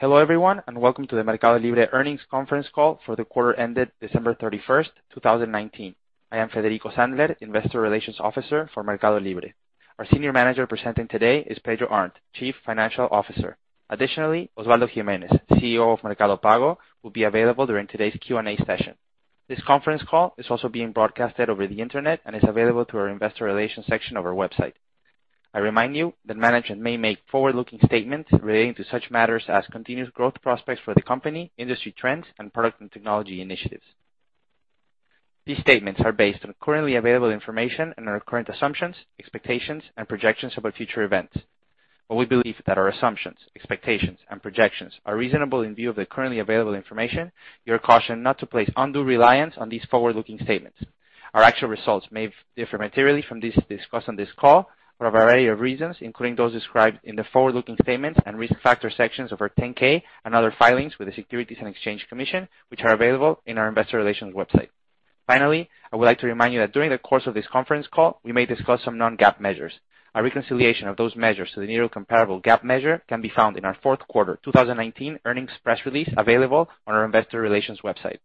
Hello, everyone, and welcome to the Mercado Libre earnings conference call for the quarter ended December 31st, 2019. I am Federico Sandler, Investor Relations Officer for Mercado Libre. Our Senior Manager presenting today is Pedro Arnt, Chief Financial Officer. Additionally, Osvaldo Gimenez, CEO of Mercado Pago, will be available during today's Q&A session. This conference call is also being broadcasted over the internet and is available through our Investor Relations section of our website. I remind you that management may make forward-looking statements relating to such matters as continuous growth prospects for the company, industry trends, and product and technology initiatives. These statements are based on currently available information and our current assumptions, expectations, and projections about future events. While we believe that our assumptions, expectations, and projections are reasonable in view of the currently available information, you are cautioned not to place undue reliance on these forward-looking statements. Our actual results may differ materially from these discussed on this call for a variety of reasons, including those described in the forward-looking statements and risk factor sections of our Form 10-K and other filings with the Securities and Exchange Commission, which are available on our Investor Relations website. Finally, I would like to remind you that during the course of this conference call, we may discuss some non-GAAP measures. A reconciliation of those measures to the nearest comparable GAAP measure can be found in our fourth quarter 2019 earnings press release, available on our Investor Relations website.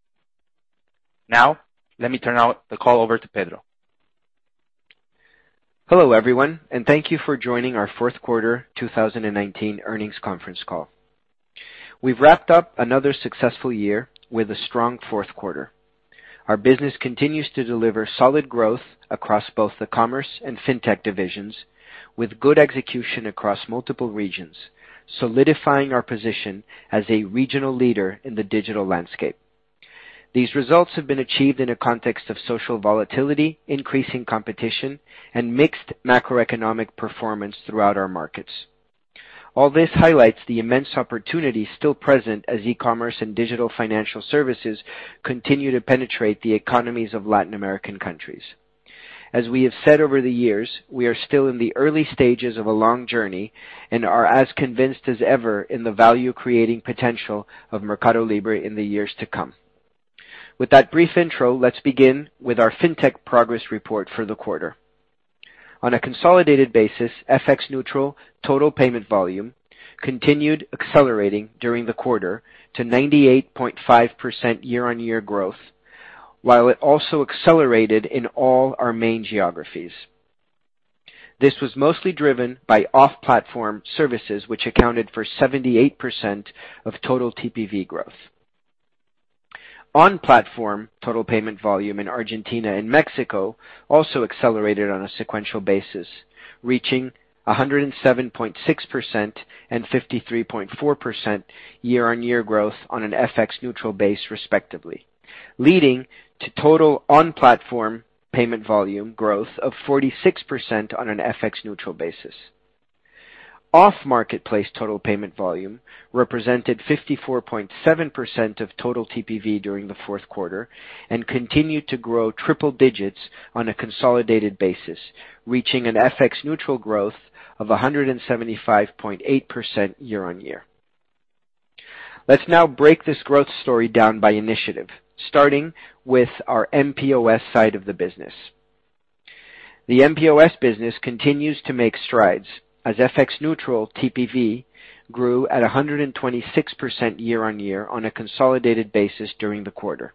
Now, let me turn the call over to Pedro. Hello, everyone. Thank you for joining our fourth quarter 2019 earnings conference call. We've wrapped up another successful year with a strong fourth quarter. Our business continues to deliver solid growth across both the commerce and fintech divisions, with good execution across multiple regions, solidifying our position as a regional leader in the digital landscape. These results have been achieved in a context of social volatility, increasing competition, and mixed macroeconomic performance throughout our markets. All this highlights the immense opportunity still present as e-commerce and digital financial services continue to penetrate the economies of Latin American countries. As we have said over the years, we are still in the early stages of a long journey and are as convinced as ever in the value-creating potential of Mercado Libre in the years to come. With that brief intro, let's begin with our fintech progress report for the quarter. On a consolidated basis, FX-neutral total payment volume continued accelerating during the quarter to 98.5% year-on-year growth, while it also accelerated in all our main geographies. This was mostly driven by off-platform services, which accounted for 78% of total TPV growth. On-platform total payment volume in Argentina and Mexico also accelerated on a sequential basis, reaching 107.6% and 53.4% year-on-year growth on an FX-neutral base respectively, leading to total on-platform payment volume growth of 46% on an FX-neutral basis. Off-marketplace total payment volume represented 54.7% of total TPV during the fourth quarter and continued to grow triple digits on a consolidated basis, reaching an FX-neutral growth of 175.8% year-on-year. Let's now break this growth story down by initiative, starting with our mPOS side of the business. The mPOS business continues to make strides as FX-neutral TPV grew at 126% year-on-year on a consolidated basis during the quarter.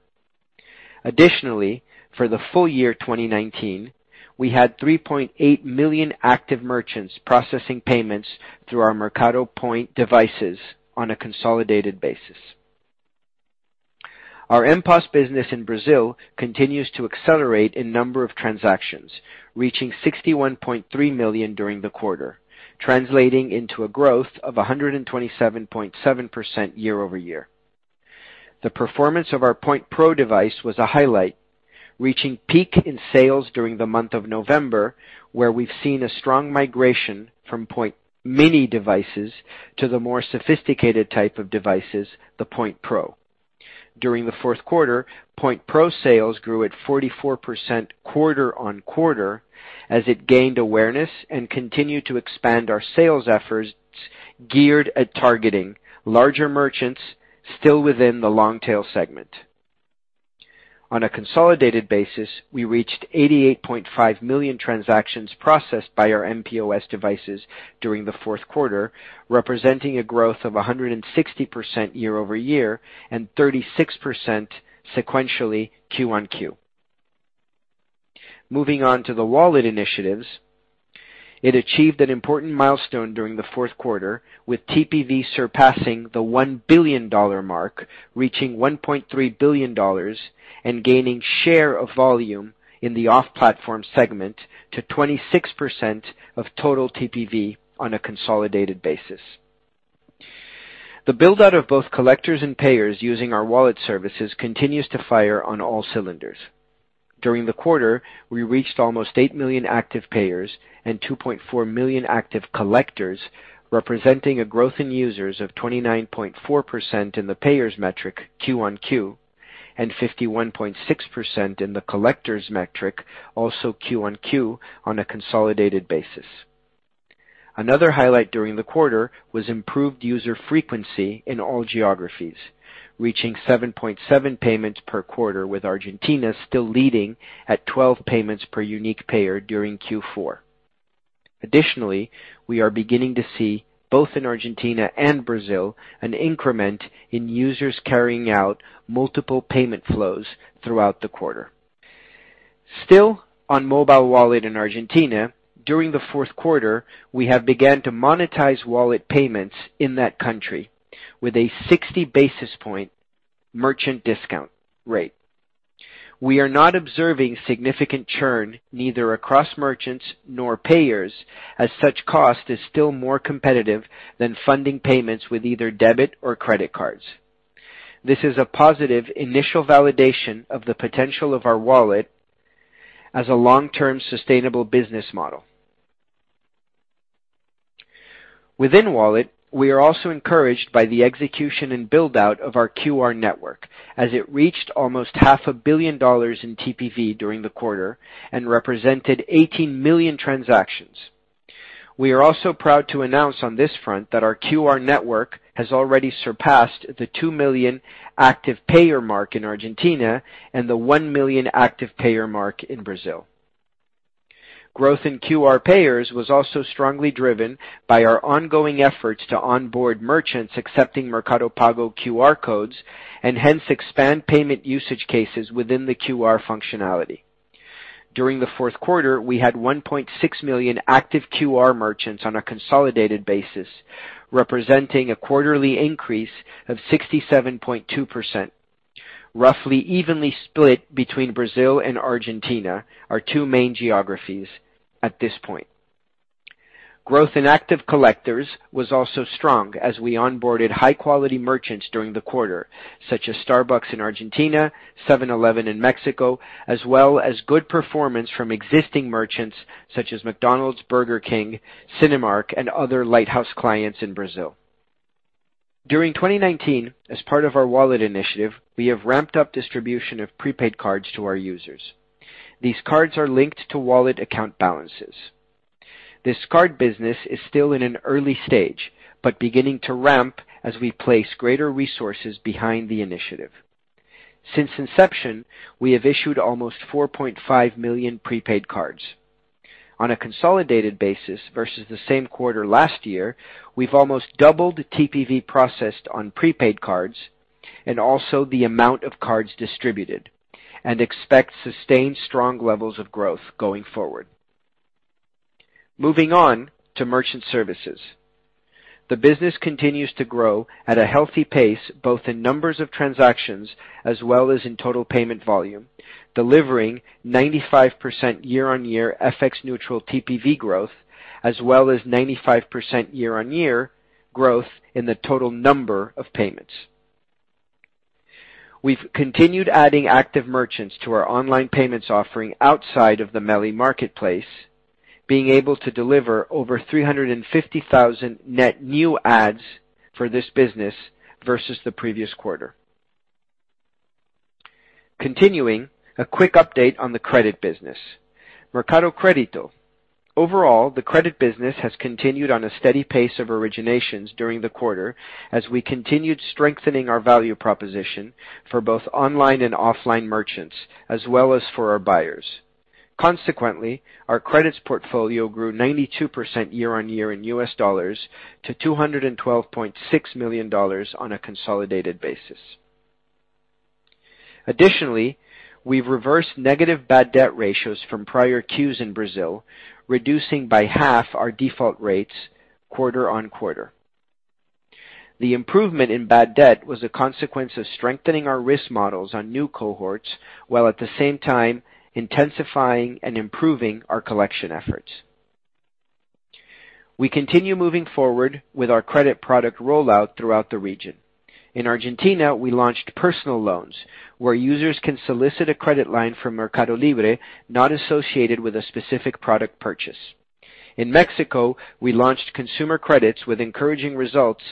Additionally, for the full year 2019, we had 3.8 million active merchants processing payments through our Mercado Point devices on a consolidated basis. Our mPOS business in Brazil continues to accelerate in number of transactions, reaching 61.3 million during the quarter, translating into a growth of 127.7% year-over-year. The performance of our Point Pro device was a highlight, reaching peak in sales during the month of November, where we've seen a strong migration from Point Mini devices to the more sophisticated type of devices, the Point Pro. During the fourth quarter, Point Pro sales grew at 44% quarter-on-quarter as it gained awareness and continued to expand our sales efforts geared at targeting larger merchants still within the long-tail segment. On a consolidated basis, we reached 88.5 million transactions processed by our mPOS devices during the fourth quarter, representing a growth of 160% year-over-year and 36% sequentially QoQ. Moving on to the wallet initiatives. It achieved an important milestone during the fourth quarter with TPV surpassing the $1 billion mark, reaching $1.3 billion and gaining share of volume in the off-platform segment to 26% of total TPV on a consolidated basis. The build-out of both collectors and payers using our wallet services continues to fire on all cylinders. During the quarter, we reached almost 8 million active payers and 2.4 million active collectors, representing a growth in users of 29.4% in the payers metric QoQ, and 51.6% in the collectors metric, also QoQ, on a consolidated basis. Another highlight during the quarter was improved user frequency in all geographies, reaching 7.7 payments per quarter, with Argentina still leading at 12 payments per unique payer during Q4. Additionally, we are beginning to see, both in Argentina and Brazil, an increment in users carrying out multiple payment flows throughout the quarter. Still on mobile wallet in Argentina, during the fourth quarter, we have began to monetize wallet payments in that country with a 60-basis-point Merchant Discount Rate. We are not observing significant churn, neither across merchants nor payers, as such cost is still more competitive than funding payments with either debit or credit cards. This is a positive initial validation of the potential of our wallet as a long-term sustainable business model. Within wallet, we are also encouraged by the execution and build-out of our QR network as it reached almost $0.5 billion in TPV during the quarter and represented 18 million transactions. We are also proud to announce on this front that our QR network has already surpassed the 2 million active payer mark in Argentina and the 1 million active payer mark in Brazil. Growth in QR payers was also strongly driven by our ongoing efforts to onboard merchants accepting Mercado Pago QR codes and hence expand payment usage cases within the QR functionality. During the fourth quarter, we had 1.6 million active QR merchants on a consolidated basis, representing a quarterly increase of 67.2%, roughly evenly split between Brazil and Argentina, our two main geographies at this point. Growth in active collectors was also strong as we onboarded high-quality merchants during the quarter, such as Starbucks in Argentina, 7-Eleven in Mexico, as well as good performance from existing merchants such as McDonald's, Burger King, Cinemark, and other lighthouse clients in Brazil. During 2019, as part of our wallet initiative, we have ramped up distribution of prepaid cards to our users. These cards are linked to wallet account balances. This card business is still in an early stage, but beginning to ramp as we place greater resources behind the initiative. Since inception, we have issued almost 4.5 million prepaid cards. On a consolidated basis versus the same quarter last year, we've almost doubled TPV processed on prepaid cards and also the amount of cards distributed and expect sustained strong levels of growth going forward. Moving on to merchant services. The business continues to grow at a healthy pace, both in numbers of transactions as well as in total payment volume, delivering 95% year-on-year FX-neutral TPV growth, as well as 95% year-on-year growth in the total number of payments. We've continued adding active merchants to our online payments offering outside of the MELI marketplace, being able to deliver over 350,000 net new adds for this business versus the previous quarter. Continuing, a quick update on the credit business, Mercado Crédito. Overall, the credit business has continued on a steady pace of originations during the quarter as we continued strengthening our value proposition for both online and offline merchants, as well as for our buyers. Consequently, our credits portfolio grew 92% year-on-year in U.S. dollars to $212.6 million on a consolidated basis. Additionally, we've reversed negative bad debt ratios from prior Qs in Brazil, reducing by half our default rates quarter-on-quarter. The improvement in bad debt was a consequence of strengthening our risk models on new cohorts, while at the same time intensifying and improving our collection efforts. We continue moving forward with our credit product rollout throughout the region. In Argentina, we launched personal loans where users can solicit a credit line from Mercado Libre not associated with a specific product purchase. In Mexico, we launched consumer credits with encouraging results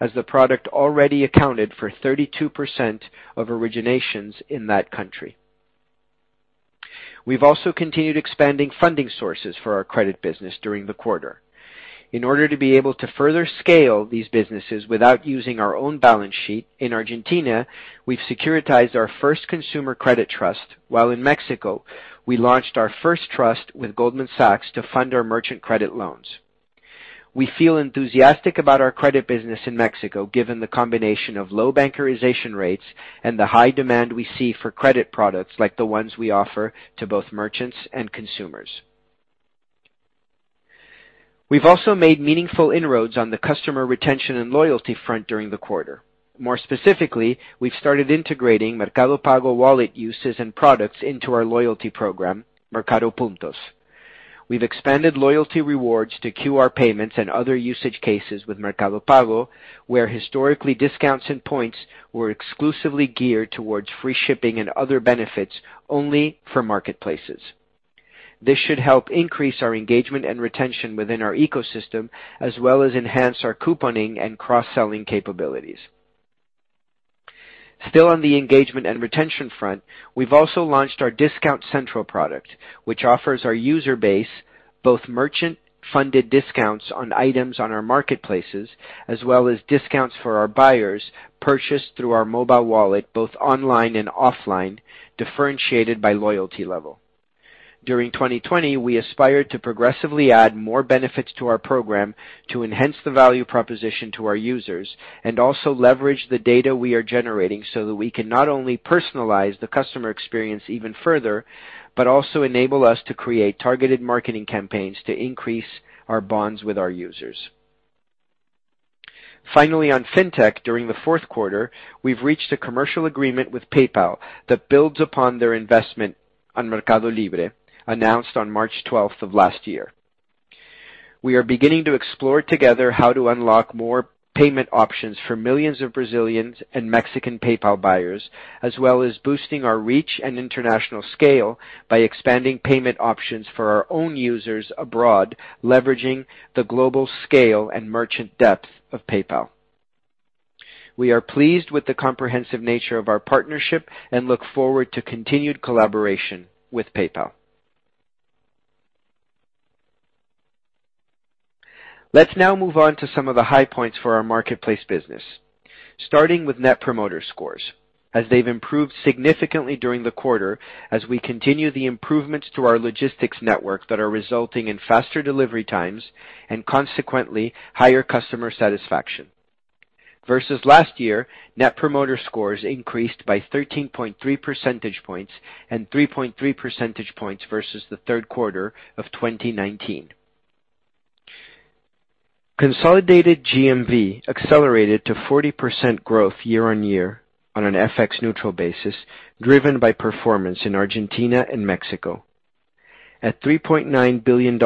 as the product already accounted for 32% of originations in that country. We've also continued expanding funding sources for our credit business during the quarter. In order to be able to further scale these businesses without using our own balance sheet, in Argentina, we've securitized our first consumer credit trust, while in Mexico, we launched our first trust with Goldman Sachs to fund our merchant credit loans. We feel enthusiastic about our credit business in Mexico given the combination of low bankarization rates and the high demand we see for credit products like the ones we offer to both merchants and consumers. We've also made meaningful inroads on the customer retention and loyalty front during the quarter. More specifically, we've started integrating Mercado Pago wallet uses and products into our loyalty program, Mercado Puntos. We've expanded loyalty rewards to QR payments and other usage cases with Mercado Pago, where historically discounts and points were exclusively geared towards free shipping and other benefits only for marketplaces. This should help increase our engagement and retention within our ecosystem, as well as enhance our couponing and cross-selling capabilities. Still on the engagement and retention front, we've also launched our discount central product, which offers our user base both merchant-funded discounts on items on our marketplaces, as well as discounts for our buyers purchased through our mobile wallet, both online and offline, differentiated by loyalty level. During 2020, we aspired to progressively add more benefits to our program to enhance the value proposition to our users and also leverage the data we are generating so that we can not only personalize the customer experience even further, but also enable us to create targeted marketing campaigns to increase our bonds with our users. Finally, on fintech, during the fourth quarter, we've reached a commercial agreement with PayPal that builds upon their investment on Mercado Libre, announced on March 12th of last year. We are beginning to explore together how to unlock more payment options for millions of Brazilians and Mexican PayPal buyers, as well as boosting our reach and international scale by expanding payment options for our own users abroad, leveraging the global scale and merchant depth of PayPal. We are pleased with the comprehensive nature of our partnership and look forward to continued collaboration with PayPal. Let's now move on to some of the high points for our marketplace business. Starting with net promoter scores, as they've improved significantly during the quarter, as we continue the improvements to our logistics network that are resulting in faster delivery times and consequently higher customer satisfaction. Versus last year, net promoter scores increased by 13.3 percentage points and 3.3 percentage points versus the third quarter of 2019. Consolidated GMV accelerated to 40% growth year-on-year on an FX-neutral basis, driven by performance in Argentina and Mexico. At $3.9 billion,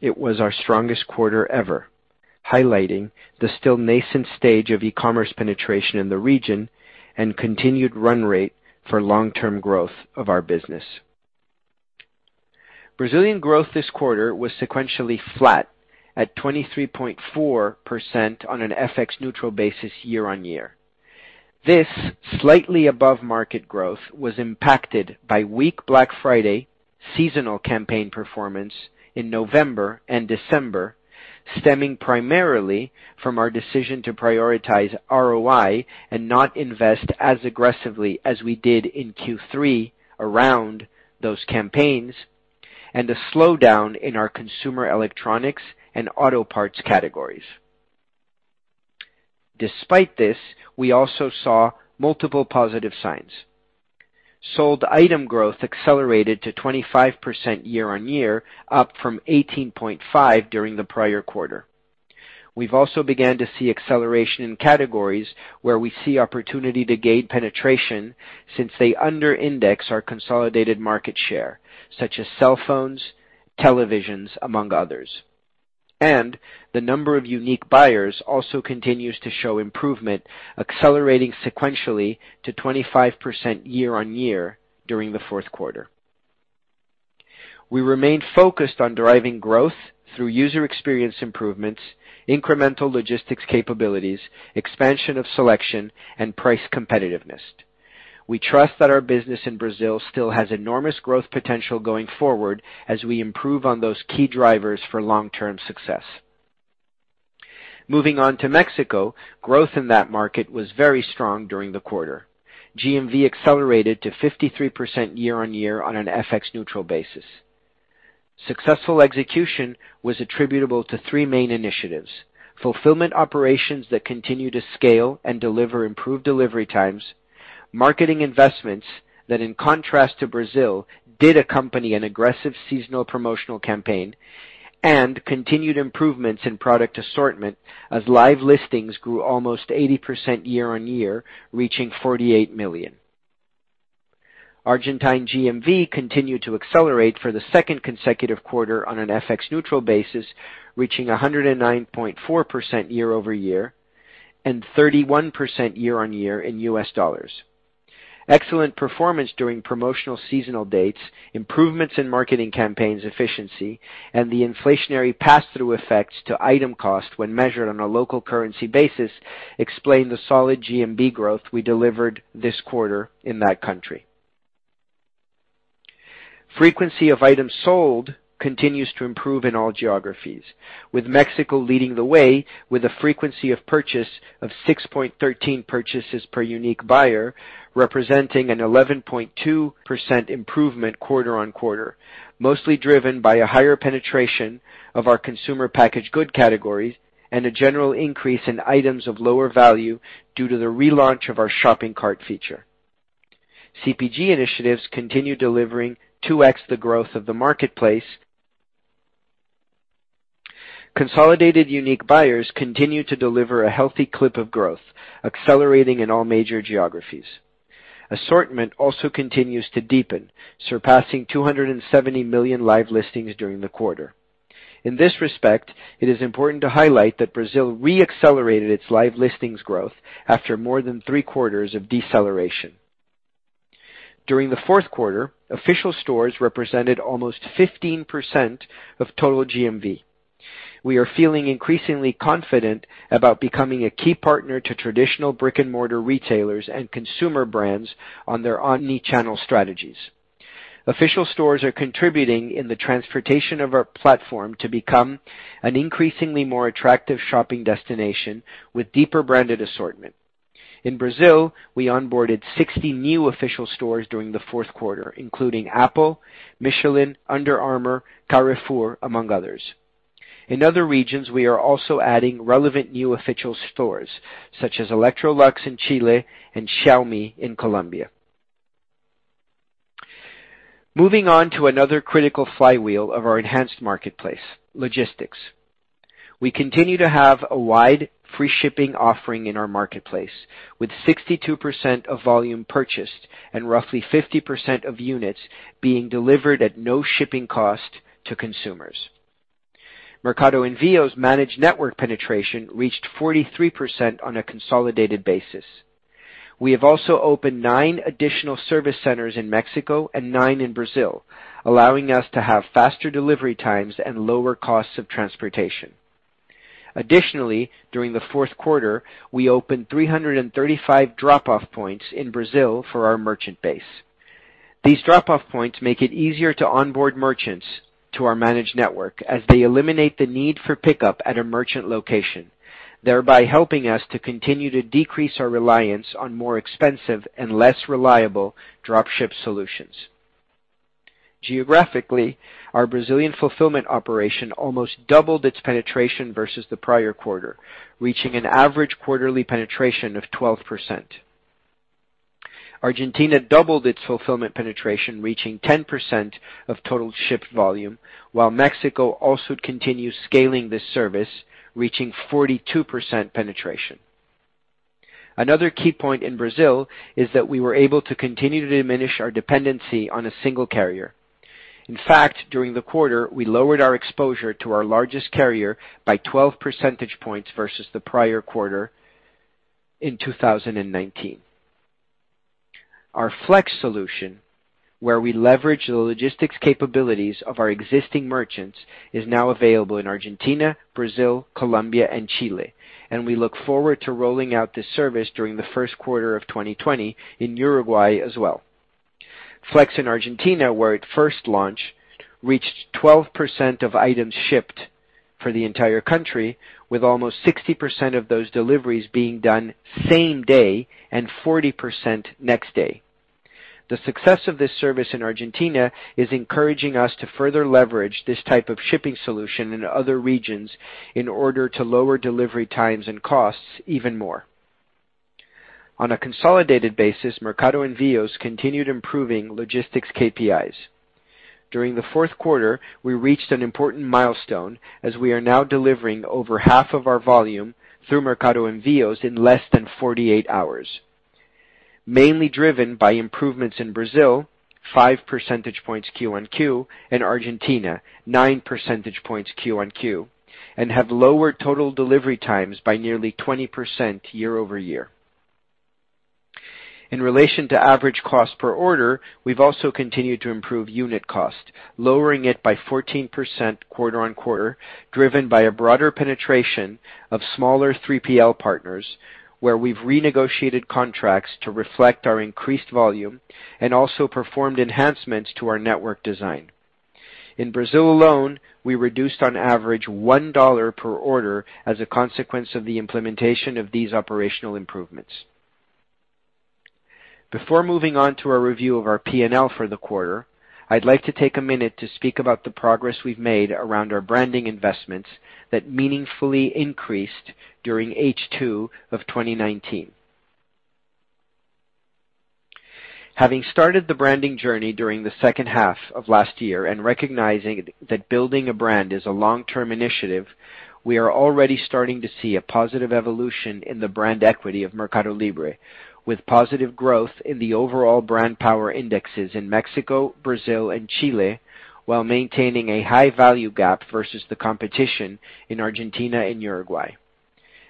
it was our strongest quarter ever, highlighting the still nascent stage of e-commerce penetration in the region and continued run rate for long-term growth of our business. Brazilian growth this quarter was sequentially flat at 23.4% on an FX-neutral basis year-on-year. This slightly above-market growth was impacted by weak Black Friday seasonal campaign performance in November and December, stemming primarily from our decision to prioritize ROI and not invest as aggressively as we did in Q3 around those campaigns, and a slowdown in our consumer electronics and auto parts categories. Despite this, we also saw multiple positive signs. Sold item growth accelerated to 25% year-on-year, up from 18.5% during the prior quarter. We've also began to see acceleration in categories where we see opportunity to gain penetration since they under-index our consolidated market share, such as cell phones, televisions, among others. The number of unique buyers also continues to show improvement, accelerating sequentially to 25% year-on-year during the fourth quarter. We remain focused on driving growth through user experience improvements, incremental logistics capabilities, expansion of selection, and price competitiveness. We trust that our business in Brazil still has enormous growth potential going forward as we improve on those key drivers for long-term success. Moving on to Mexico, growth in that market was very strong during the quarter. GMV accelerated to 53% year-on-year on an FX-neutral basis. Successful execution was attributable to three main initiatives. Fulfillment operations that continue to scale and deliver improved delivery times, marketing investments that, in contrast to Brazil, did accompany an aggressive seasonal promotional campaign, and continued improvements in product assortment as live listings grew almost 80% year-on-year, reaching 48 million. Argentine GMV continued to accelerate for the second consecutive quarter on an FX-neutral basis, reaching 109.4% year-over-year and 31% year-on-year in U.S. dollars. Excellent performance during promotional seasonal dates, improvements in marketing campaigns efficiency, and the inflationary pass-through effects to item cost when measured on a local currency basis explain the solid GMV growth we delivered this quarter in that country. Frequency of items sold continues to improve in all geographies, with Mexico leading the way with a frequency of purchase of 6.13 purchases per unique buyer, representing an 11.2% improvement quarter-on-quarter, mostly driven by a higher penetration of our consumer packaged goods categories and a general increase in items of lower value due to the relaunch of our shopping cart feature. CPG initiatives continue delivering 2X the growth of the marketplace. Consolidated unique buyers continue to deliver a healthy clip of growth, accelerating in all major geographies. Assortment also continues to deepen, surpassing 270 million live listings during the quarter. In this respect, it is important to highlight that Brazil re-accelerated its live listings growth after more than three quarters of deceleration. During the fourth quarter, official stores represented almost 15% of total GMV. We are feeling increasingly confident about becoming a key partner to traditional brick-and-mortar retailers and consumer brands on their omni-channel strategies. Official stores are contributing in the transformation of our platform to become an increasingly more attractive shopping destination with deeper branded assortment. In Brazil, we onboarded 60 new official stores during the fourth quarter, including Apple, Michelin, Under Armour, Carrefour, among others. In other regions, we are also adding relevant new official stores, such as Electrolux in Chile and Xiaomi in Colombia. Moving on to another critical flywheel of our enhanced marketplace, logistics. We continue to have a wide free shipping offering in our marketplace, with 62% of volume purchased and roughly 50% of units being delivered at no shipping cost to consumers. Mercado Envíos' managed network penetration reached 43% on a consolidated basis. We have also opened nine additional service centers in Mexico and nine in Brazil, allowing us to have faster delivery times and lower costs of transportation. Additionally, during the fourth quarter, we opened 335 drop-off points in Brazil for our merchant base. These drop-off points make it easier to onboard merchants to our managed network as they eliminate the need for pickup at a merchant location, thereby helping us to continue to decrease our reliance on more expensive and less reliable drop ship solutions. Geographically, our Brazilian fulfillment operation almost doubled its penetration versus the prior quarter, reaching an average quarterly penetration of 12%. Argentina doubled its fulfillment penetration, reaching 10% of total shipped volume, while Mexico also continues scaling this service, reaching 42% penetration. Another key point in Brazil is that we were able to continue to diminish our dependency on a single carrier. In fact, during the quarter, we lowered our exposure to our largest carrier by 12 percentage points versus the prior quarter in 2019. Our Flex solution, where we leverage the logistics capabilities of our existing merchants, is now available in Argentina, Brazil, Colombia, and Chile, and we look forward to rolling out this service during the first quarter of 2020 in Uruguay as well. Flex in Argentina, where it first launched, reached 12% of items shipped for the entire country, with almost 60% of those deliveries being done same day and 40% next day. The success of this service in Argentina is encouraging us to further leverage this type of shipping solution in other regions in order to lower delivery times and costs even more. On a consolidated basis, Mercado Envíos continued improving logistics KPIs. During the fourth quarter, we reached an important milestone, as we are now delivering over half of our volume through Mercado Envíos in less than 48 hours, mainly driven by improvements in Brazil, 5 percentage points QoQ, and Argentina, 9 percentage points QoQ, and have lowered total delivery times by nearly 20% year-over-year. In relation to average cost per order, we've also continued to improve unit cost, lowering it by 14% quarter-on-quarter, driven by a broader penetration of smaller 3PL partners, where we've renegotiated contracts to reflect our increased volume and also performed enhancements to our network design. In Brazil alone, we reduced on average $1 per order as a consequence of the implementation of these operational improvements. Before moving on to a review of our P&L for the quarter, I'd like to take a minute to speak about the progress we've made around our branding investments that meaningfully increased during H2 of 2019. Having started the branding journey during the second half of last year and recognizing that building a brand is a long-term initiative, we are already starting to see a positive evolution in the brand equity of Mercado Libre, with positive growth in the overall brand power indexes in Mexico, Brazil, and Chile, while maintaining a high value gap versus the competition in Argentina and Uruguay.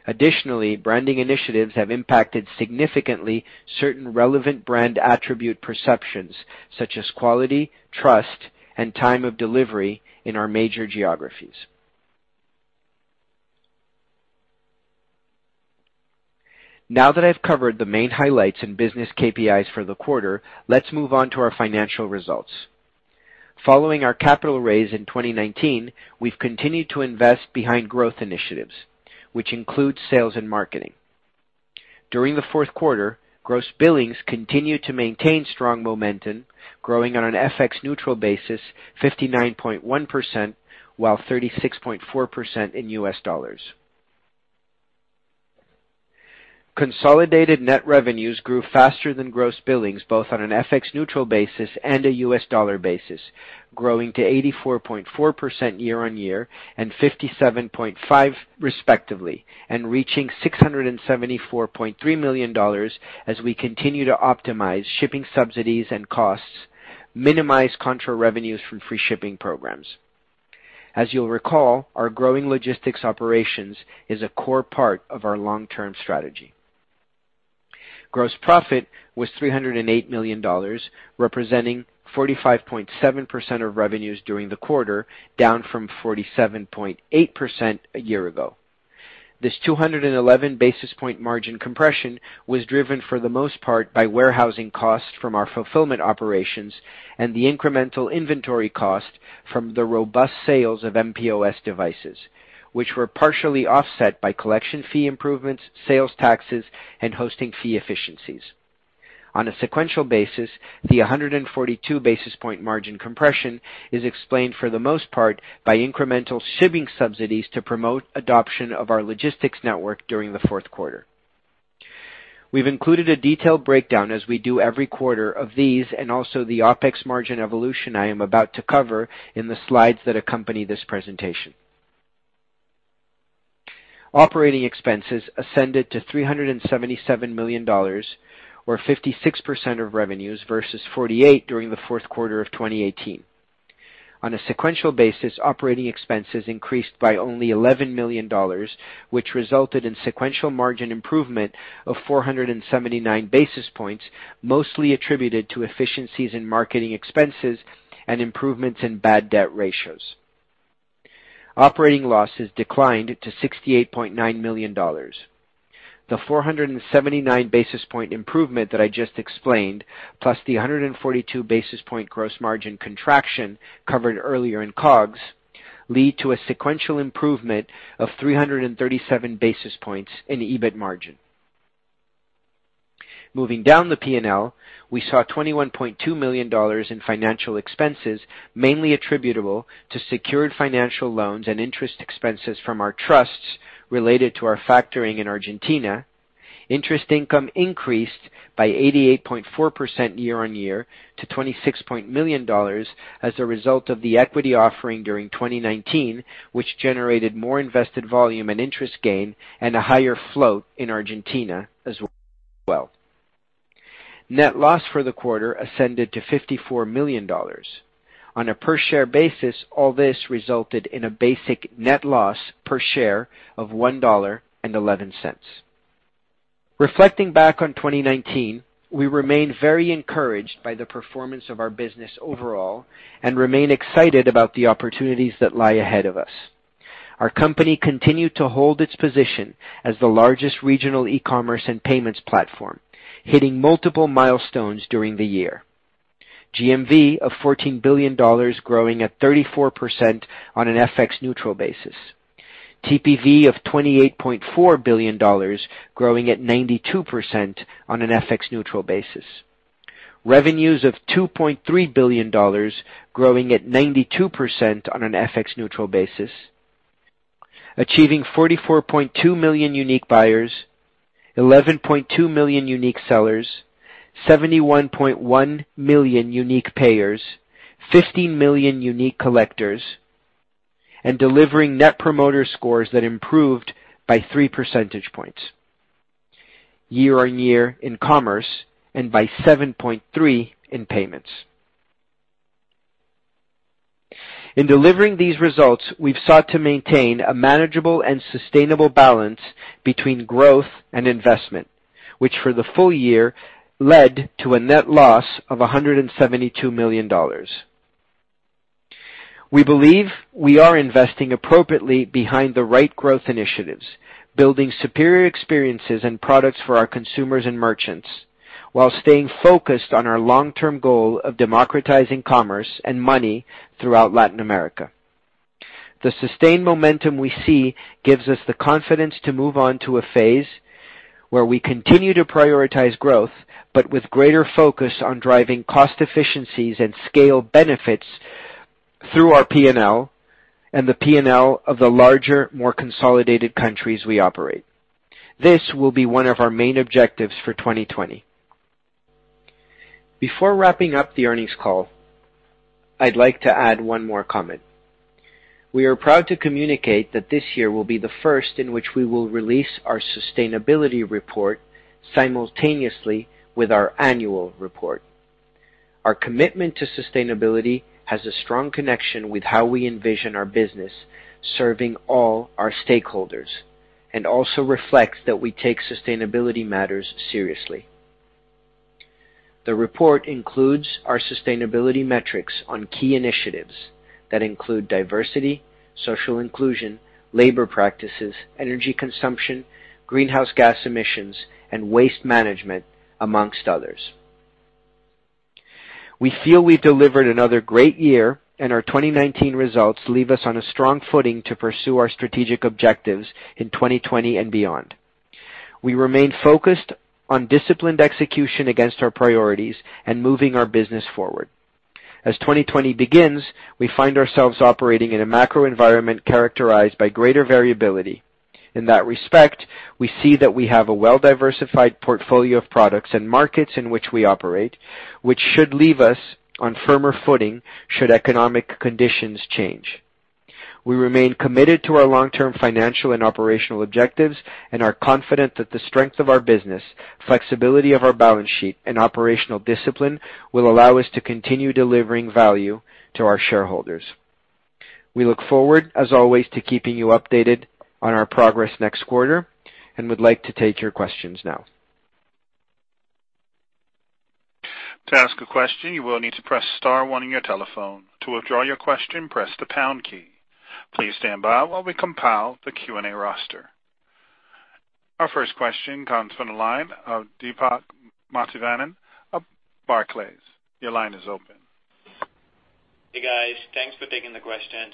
Additionally, branding initiatives have impacted significantly certain relevant brand attribute perceptions, such as quality, trust, and time of delivery in our major geographies. Now that I've covered the main highlights in business KPIs for the quarter, let's move on to our financial results. Following our capital raise in 2019, we've continued to invest behind growth initiatives, which include sales and marketing. During the fourth quarter, gross billings continued to maintain strong momentum, growing on an FX-neutral basis 59.1%, while 36.4% in U.S. dollars. Consolidated net revenues grew faster than gross billings, both on an FX-neutral basis and a U.S. dollar basis, growing to 84.4% year-on-year and 57.5% respectively, and reaching $674.3 million as we continue to optimize shipping subsidies and costs, minimize contra revenues from free shipping programs. As you'll recall, our growing logistics operations is a core part of our long-term strategy. Gross profit was $308 million, representing 45.7% of revenues during the quarter, down from 47.8% a year ago. This 211 basis point margin compression was driven for the most part by warehousing costs from our fulfillment operations and the incremental inventory cost from the robust sales of mPOS devices, which were partially offset by collection fee improvements, sales taxes, and hosting fee efficiencies. On a sequential basis, the 142 basis point margin compression is explained for the most part by incremental shipping subsidies to promote adoption of our logistics network during the fourth quarter. We've included a detailed breakdown as we do every quarter of these, and also the OPEX margin evolution I am about to cover in the slides that accompany this presentation. Operating expenses ascended to $377 million, or 56% of revenues versus 48% during the fourth quarter of 2018. On a sequential basis, operating expenses increased by only $11 million, which resulted in sequential margin improvement of 479 basis points, mostly attributed to efficiencies in marketing expenses and improvements in bad debt ratios. Operating losses declined to $68.9 million. The 479 basis point improvement that I just explained, plus the 142 basis point gross margin contraction covered earlier in COGS, lead to a sequential improvement of 337 basis points in the EBIT margin. Moving down the P&L, we saw $21.2 million in financial expenses, mainly attributable to secured financial loans and interest expenses from our trusts related to our factoring in Argentina. Interest income increased by 88.4% year-on-year to $26 million as a result of the equity offering during 2019, which generated more invested volume and interest gain and a higher float in Argentina as well. Net loss for the quarter ascended to $54 million. On a per share basis, all this resulted in a basic net loss per share of $1.11. Reflecting back on 2019, we remain very encouraged by the performance of our business overall and remain excited about the opportunities that lie ahead of us. Our company continued to hold its position as the largest regional e-commerce and payments platform, hitting multiple milestones during the year. GMV of $14 billion, growing at 34% on an FX-neutral basis. TPV of $28.4 billion, growing at 92% on an FX-neutral basis. Revenues of $2.3 billion, growing at 92% on an FX-neutral basis. Achieving 44.2 million unique buyers, 11.2 million unique sellers, 71.1 million unique payers, 50 million unique collectors, and delivering net promoter scores that improved by 3 percentage points year-on-year in commerce, and by 7.3 in payments. In delivering these results, we've sought to maintain a manageable and sustainable balance between growth and investment, which for the full year led to a net loss of $172 million. We believe we are investing appropriately behind the right growth initiatives, building superior experiences and products for our consumers and merchants while staying focused on our long-term goal of democratizing commerce and money throughout Latin America. The sustained momentum we see gives us the confidence to move on to a phase where we continue to prioritize growth, but with greater focus on driving cost efficiencies and scale benefits through our P&L and the P&L of the larger, more consolidated countries we operate. This will be one of our main objectives for 2020. Before wrapping up the earnings call, I'd like to add one more comment. We are proud to communicate that this year will be the first in which we will release our sustainability report simultaneously with our annual report. Our commitment to sustainability has a strong connection with how we envision our business serving all our stakeholders and also reflects that we take sustainability matters seriously. The report includes our sustainability metrics on key initiatives that include diversity, social inclusion, labor practices, energy consumption, greenhouse gas emissions, and waste management, among others. We feel we've delivered another great year, and our 2019 results leave us on a strong footing to pursue our strategic objectives in 2020 and beyond. We remain focused on disciplined execution against our priorities and moving our business forward. As 2020 begins, we find ourselves operating in a macro environment characterized by greater variability. In that respect, we see that we have a well-diversified portfolio of products and markets in which we operate, which should leave us on firmer footing should economic conditions change. We remain committed to our long-term financial and operational objectives and are confident that the strength of our business, flexibility of our balance sheet, and operational discipline will allow us to continue delivering value to our shareholders. We look forward, as always, to keeping you updated on our progress next quarter and would like to take your questions now. To ask a question, you will need to press star one on your telephone. To withdraw your question, press the pound key. Please stand by while we compile the Q&A roster. Our first question comes from the line of Deepak Mathivanan of Barclays. Your line is open. Hey guys, thanks for taking the questions.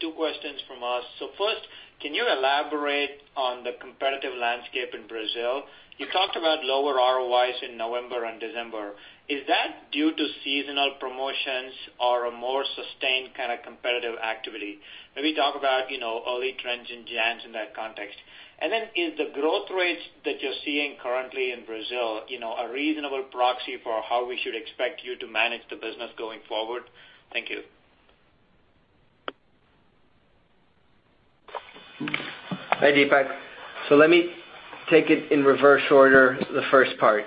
Two questions from us. First, can you elaborate on the competitive landscape in Brazil? You talked about lower ROI in November and December. Is that due to seasonal promotions or a more sustained kind of competitive activity? Maybe talk about early trends in Jan. In that context. Then is the growth rates that you're seeing currently in Brazil a reasonable proxy for how we should expect you to manage the business going forward? Thank you. Hi, Deepak. Let me take it in reverse order, the first part.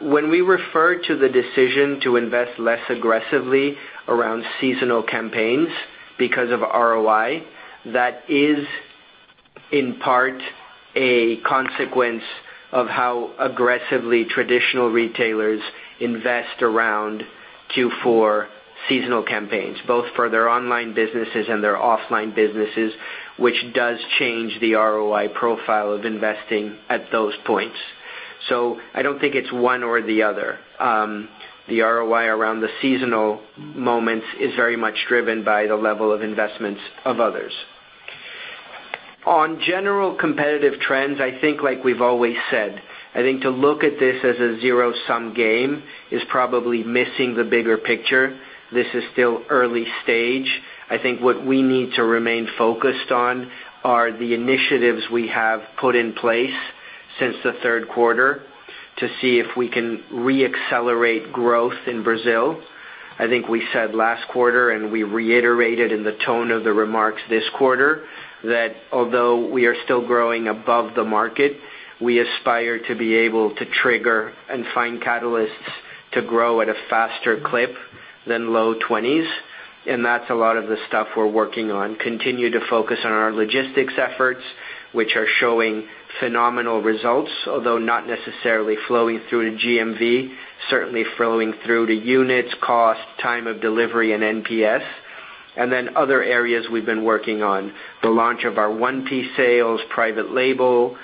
When we refer to the decision to invest less aggressively around seasonal campaigns because of ROI, that is, in part, a consequence of how aggressively traditional retailers invest around Q4 seasonal campaigns, both for their online businesses and their offline businesses, which does change the ROI profile of investing at those points. I don't think it's one or the other. The ROI around the seasonal moments is very much driven by the level of investments of others. On general competitive trends, I think like we've always said, I think to look at this as a zero-sum game is probably missing the bigger picture. This is still early stage. I think what we need to remain focused on are the initiatives we have put in place since the third quarter to see if we can re-accelerate growth in Brazil. I think we said last quarter, and we reiterated in the tone of the remarks this quarter, that although we are still growing above the market, we aspire to be able to trigger and find catalysts to grow at a faster clip than low 20s, and that's a lot of the stuff we're working on. Continue to focus on our logistics efforts, which are showing phenomenal results, although not necessarily flowing through to GMV. Certainly flowing through to units, cost, time of delivery, and NPS. Other areas we've been working on. The launch of our 1P sales, private label,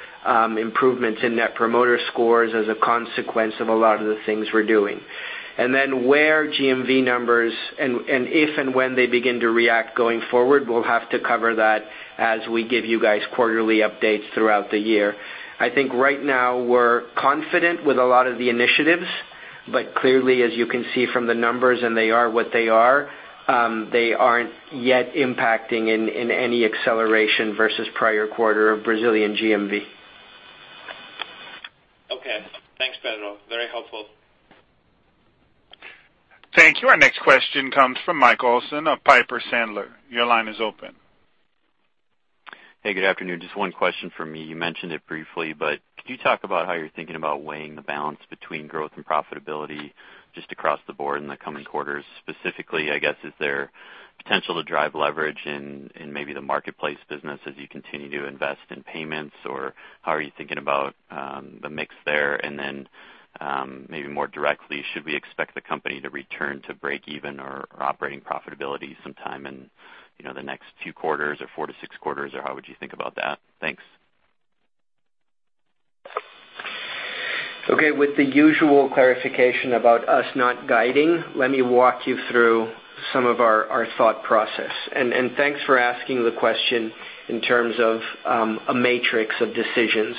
improvements in net promoter scores as a consequence of a lot of the things we're doing. Then where GMV numbers, and if and when they begin to react going forward, we'll have to cover that as we give you guys quarterly updates throughout the year. I think right now we're confident with a lot of the initiatives, clearly, as you can see from the numbers, and they are what they are, they aren't yet impacting in any acceleration versus prior quarter of Brazilian GMV. Okay. Thanks, Pedro. Very helpful. Thank you. Our next question comes from Mike Olson of Piper Sandler. Your line is open. Hey, good afternoon. Just one question from me. You mentioned it briefly, could you talk about how you're thinking about weighing the balance between growth and profitability just across the board in the coming quarters? Specifically, I guess, is there potential to drive leverage in maybe the marketplace business as you continue to invest in payments? How are you thinking about the mix there? Maybe more directly, should we expect the company to return to break even or operating profitability sometime in the next two quarters or four-six quarters? How would you think about that? Thanks. Okay, with the usual clarification about us not guiding, let me walk you through some of our thought process. Thanks for asking the question in terms of a matrix of decisions.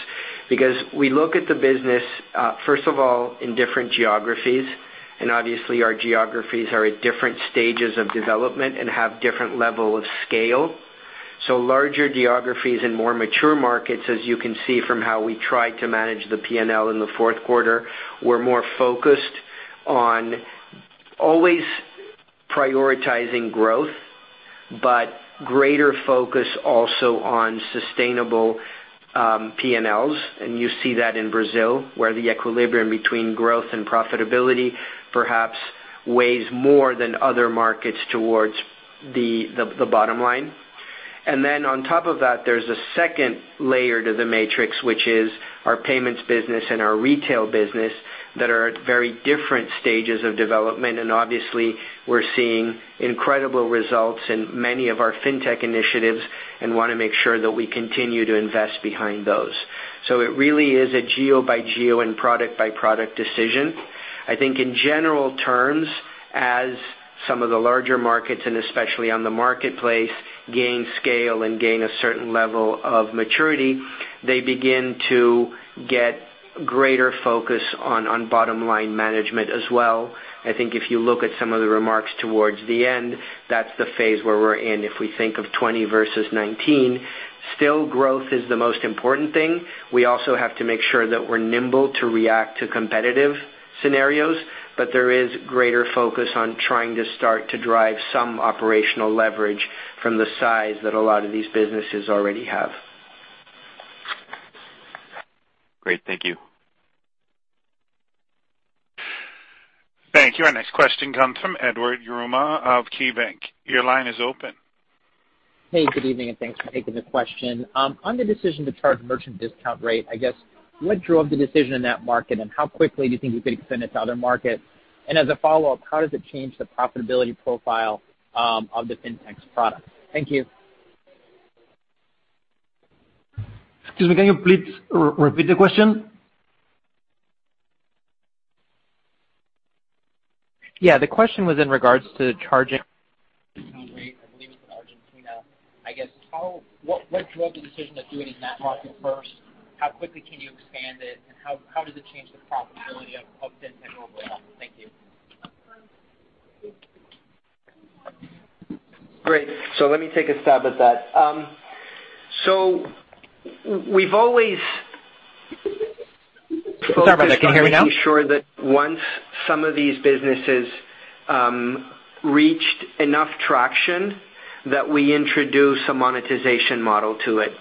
Because we look at the business, first of all, in different geographies, and obviously our geographies are at different stages of development and have different level of scale. Larger geographies and more mature markets, as you can see from how we try to manage the P&L in the fourth quarter, we're more focused on always prioritizing growth, but greater focus also on sustainable P&Ls. You see that in Brazil, where the equilibrium between growth and profitability perhaps weighs more than other markets towards the bottom line. On top of that, there's a second layer to the matrix, which is our payments business and our retail business that are at very different stages of development. Obviously, we're seeing incredible results in many of our fintech initiatives and want to make sure that we continue to invest behind those. It really is a geo by geo and product-by-product decision. I think in general terms, as some of the larger markets, and especially on the marketplace, gain scale and gain a certain level of maturity, they begin to get greater focus on bottom-line management as well. I think if you look at some of the remarks towards the end, that's the phase where we're in. If we think of 2020 versus 2019, still growth is the most important thing. We also have to make sure that we're nimble to react to competitive scenarios, but there is greater focus on trying to start to drive some operational leverage from the size that a lot of these businesses already have. Great. Thank you. Thank you. Our next question comes from Edward Yruma of KeyBanc. Your line is open. Hey, good evening. Thanks for taking the question. On the decision to charge a merchant discount rate, I guess what drove the decision in that market, and how quickly do you think you could extend it to other markets? As a follow-up, how does it change the profitability profile of the fintech's product? Thank you. Excuse me, can you please repeat the question? Yeah, the question was in regards to charging rate. I believe it's in Argentina. I guess, what drove the decision to do it in that market first? How quickly can you expand it, and how does it change the profitability of finTech overall? Thank you. Great. Let me take a stab at that. We've always focused- Sorry about that. Can you hear me now? on making sure that once some of these businesses reached enough traction, that we introduce a monetization model to it.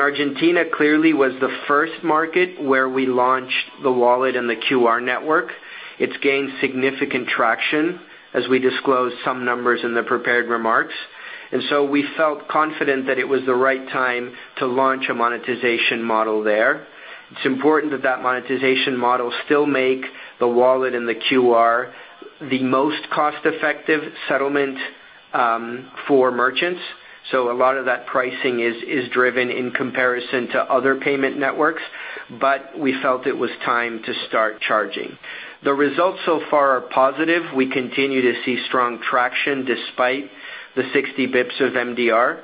Argentina clearly was the first market where we launched the wallet and the QR network. It's gained significant traction as we disclosed some numbers in the prepared remarks. We felt confident that it was the right time to launch a monetization model there. It's important that that monetization model still make the wallet and the QR the most cost-effective settlement for merchants. A lot of that pricing is driven in comparison to other payment networks, but we felt it was time to start charging. The results so far are positive. We continue to see strong traction despite the 60 basis points of MDR.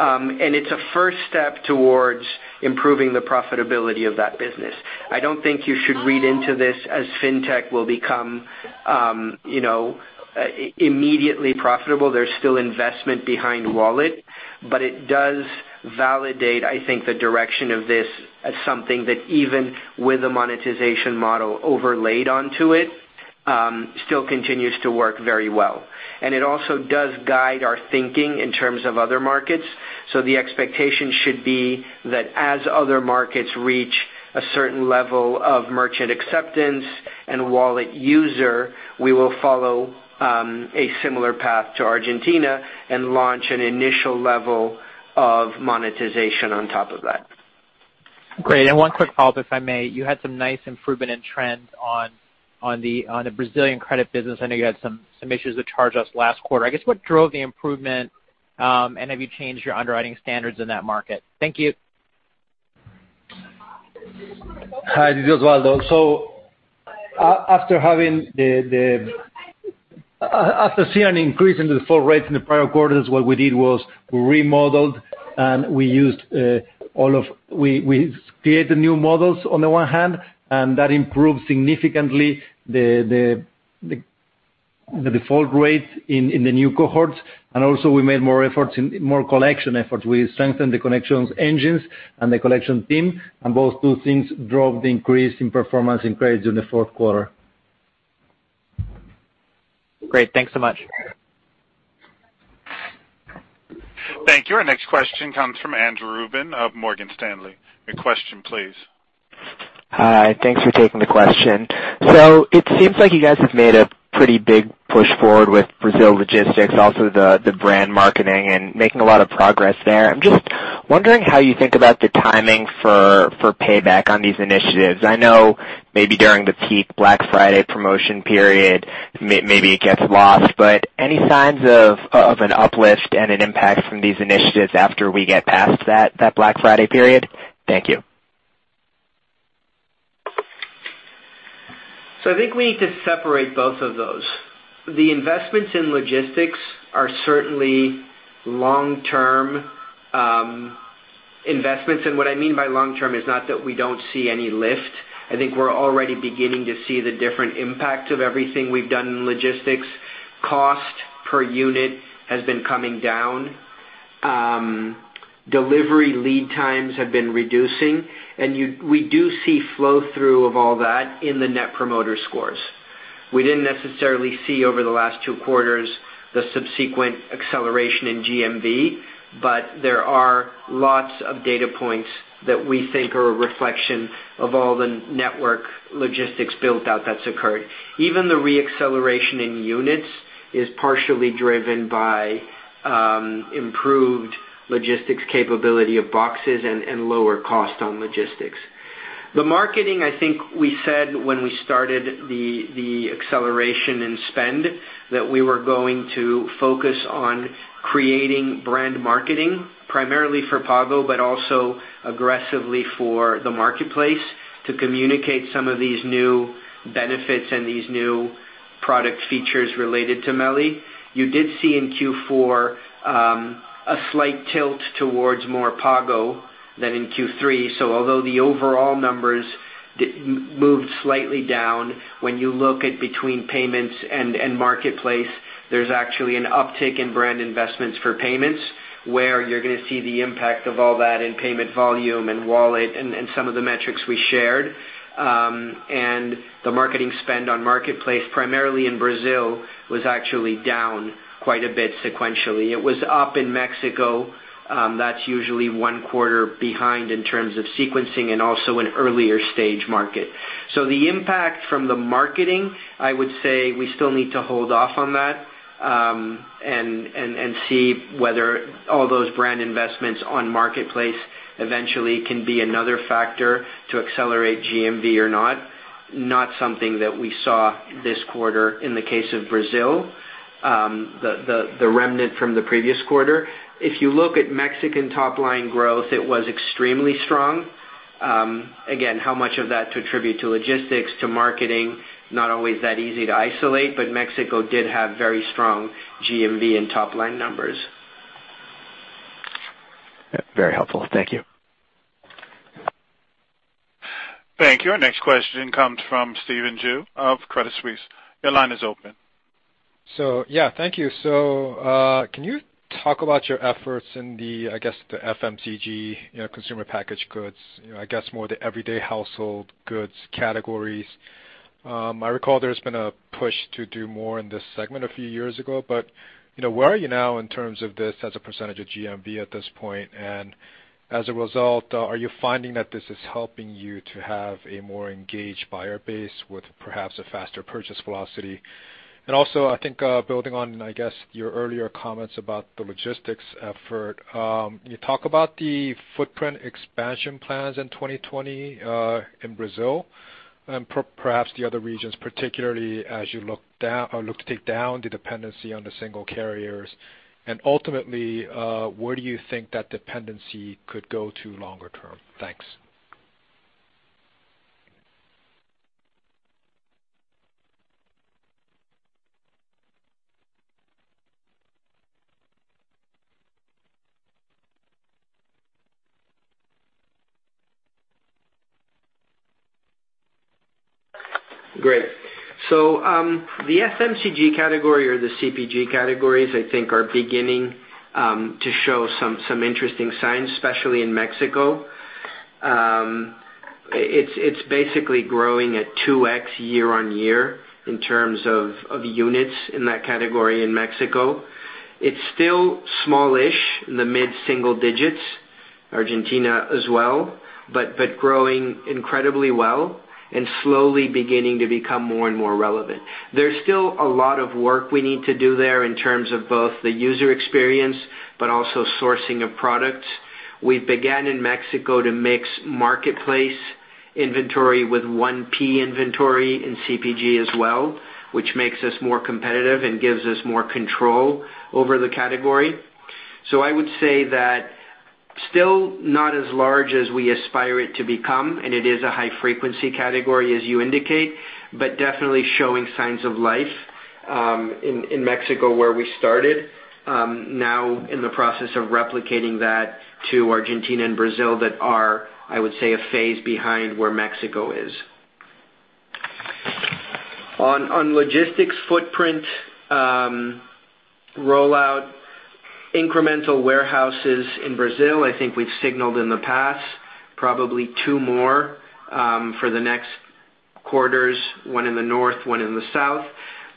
It's a first step towards improving the profitability of that business. I don't think you should read into this as fintech will become immediately profitable. There's still investment behind Wallet. It does validate, I think, the direction of this as something that even with a monetization model overlaid onto it, still continues to work very well. It also does guide our thinking in terms of other markets. The expectation should be that as other markets reach a certain level of merchant acceptance and wallet user, we will follow a similar path to Argentina and launch an initial level of monetization on top of that. Great. One quick follow-up, if I may. You had some nice improvement in trends on the Brazilian credit business. I know you had some issues with charge-offs last quarter. I guess, what drove the improvement, and have you changed your underwriting standards in that market? Thank you. Hi, this is Osvaldo. After seeing an increase in the default rates in the prior quarters, what we did was remodeled, and we created new models on the one hand, and that improved significantly the default rate in the new cohorts. Also we made more collection efforts. We strengthened the collections engines and the collection team, and both two things drove the increase in performance in credits in the fourth quarter. Great. Thanks so much. Thank you. Our next question comes from Andrew Rubin of Morgan Stanley. Your question please. Hi. Thanks for taking the question. It seems like you guys have made a pretty big push forward with Brazil logistics, also the brand marketing and making a lot of progress there. I'm just wondering how you think about the timing for payback on these initiatives. I know maybe during the peak Black Friday promotion period maybe it gets lost, but any signs of an uplift and an impact from these initiatives after we get past that Black Friday period? Thank you. I think we need to separate both of those. The investments in logistics are certainly long-term investments. What I mean by long-term is not that we don't see any lift. I think we're already beginning to see the different impact of everything we've done in logistics. Cost per unit has been coming down. Delivery lead times have been reducing. We do see flow-through of all that in the net promoter scores. We didn't necessarily see over the last two quarters the subsequent acceleration in GMV, but there are lots of data points that we think are a reflection of all the network logistics build-out that's occurred. Even the re-acceleration in units is partially driven by improved logistics capability of boxes and lower cost on logistics. The marketing, I think we said when we started the acceleration in spend that we were going to focus on creating brand marketing primarily for Pago, but also aggressively for the marketplace to communicate some of these new benefits and these new product features related to MELI. You did see in Q4 a slight tilt towards more Pago than in Q3. Although the overall numbers moved slightly down, when you look at between payments and marketplace, there's actually an uptick in brand investments for payments, where you're going to see the impact of all that in payment volume and wallet and some of the metrics we shared. The marketing spend on marketplace, primarily in Brazil, was actually down quite a bit sequentially. It was up in Mexico. That's usually one quarter behind in terms of sequencing and also an earlier-stage market. The impact from the marketing, I would say we still need to hold off on that, and see whether all those brand investments on marketplace eventually can be another factor to accelerate GMV or not. Not something that we saw this quarter in the case of Brazil. The remnant from the previous quarter. If you look at Mexican top-line growth, it was extremely strong. Again, how much of that to attribute to logistics, to marketing, not always that easy to isolate, but Mexico did have very strong GMV and top-line numbers. Very helpful. Thank you. Thank you. Our next question comes from Stephen Ju of Credit Suisse. Your line is open. Thank you. Can you talk about your efforts in the FMCG consumer packaged goods, more the everyday household goods categories? I recall there's been a push to do more in this segment a few years ago, where are you now in terms of this as a percentage of GMV at this point? As a result, are you finding that this is helping you to have a more engaged buyer base with perhaps a faster purchase velocity? Also, I think, building on your earlier comments about the logistics effort, can you talk about the footprint expansion plans in 2020 in Brazil and perhaps the other regions, particularly as you look to take down the dependency on the single carriers? Ultimately, where do you think that dependency could go to longer term? Thanks. Great. The FMCG category or the CPG categories, I think are beginning to show some interesting signs, especially in Mexico. It's basically growing at 2x year-over-year in terms of units in that category in Mexico. It's still smallish in the mid-single digits, Argentina as well, but growing incredibly well and slowly beginning to become more and more relevant. There's still a lot of work we need to do there in terms of both the user experience, but also sourcing of products. We began in Mexico to mix marketplace inventory with 1P inventory in CPG as well, which makes us more competitive and gives us more control over the category. I would say that still not as large as we aspire it to become, and it is a high-frequency category, as you indicate, but definitely showing signs of life, in Mexico where we started. In the process of replicating that to Argentina and Brazil, that are, I would say, a phase behind where Mexico is. On logistics footprint rollout, incremental warehouses in Brazil, I think we've signaled in the past probably two more for the next quarters, one in the north, one in the south.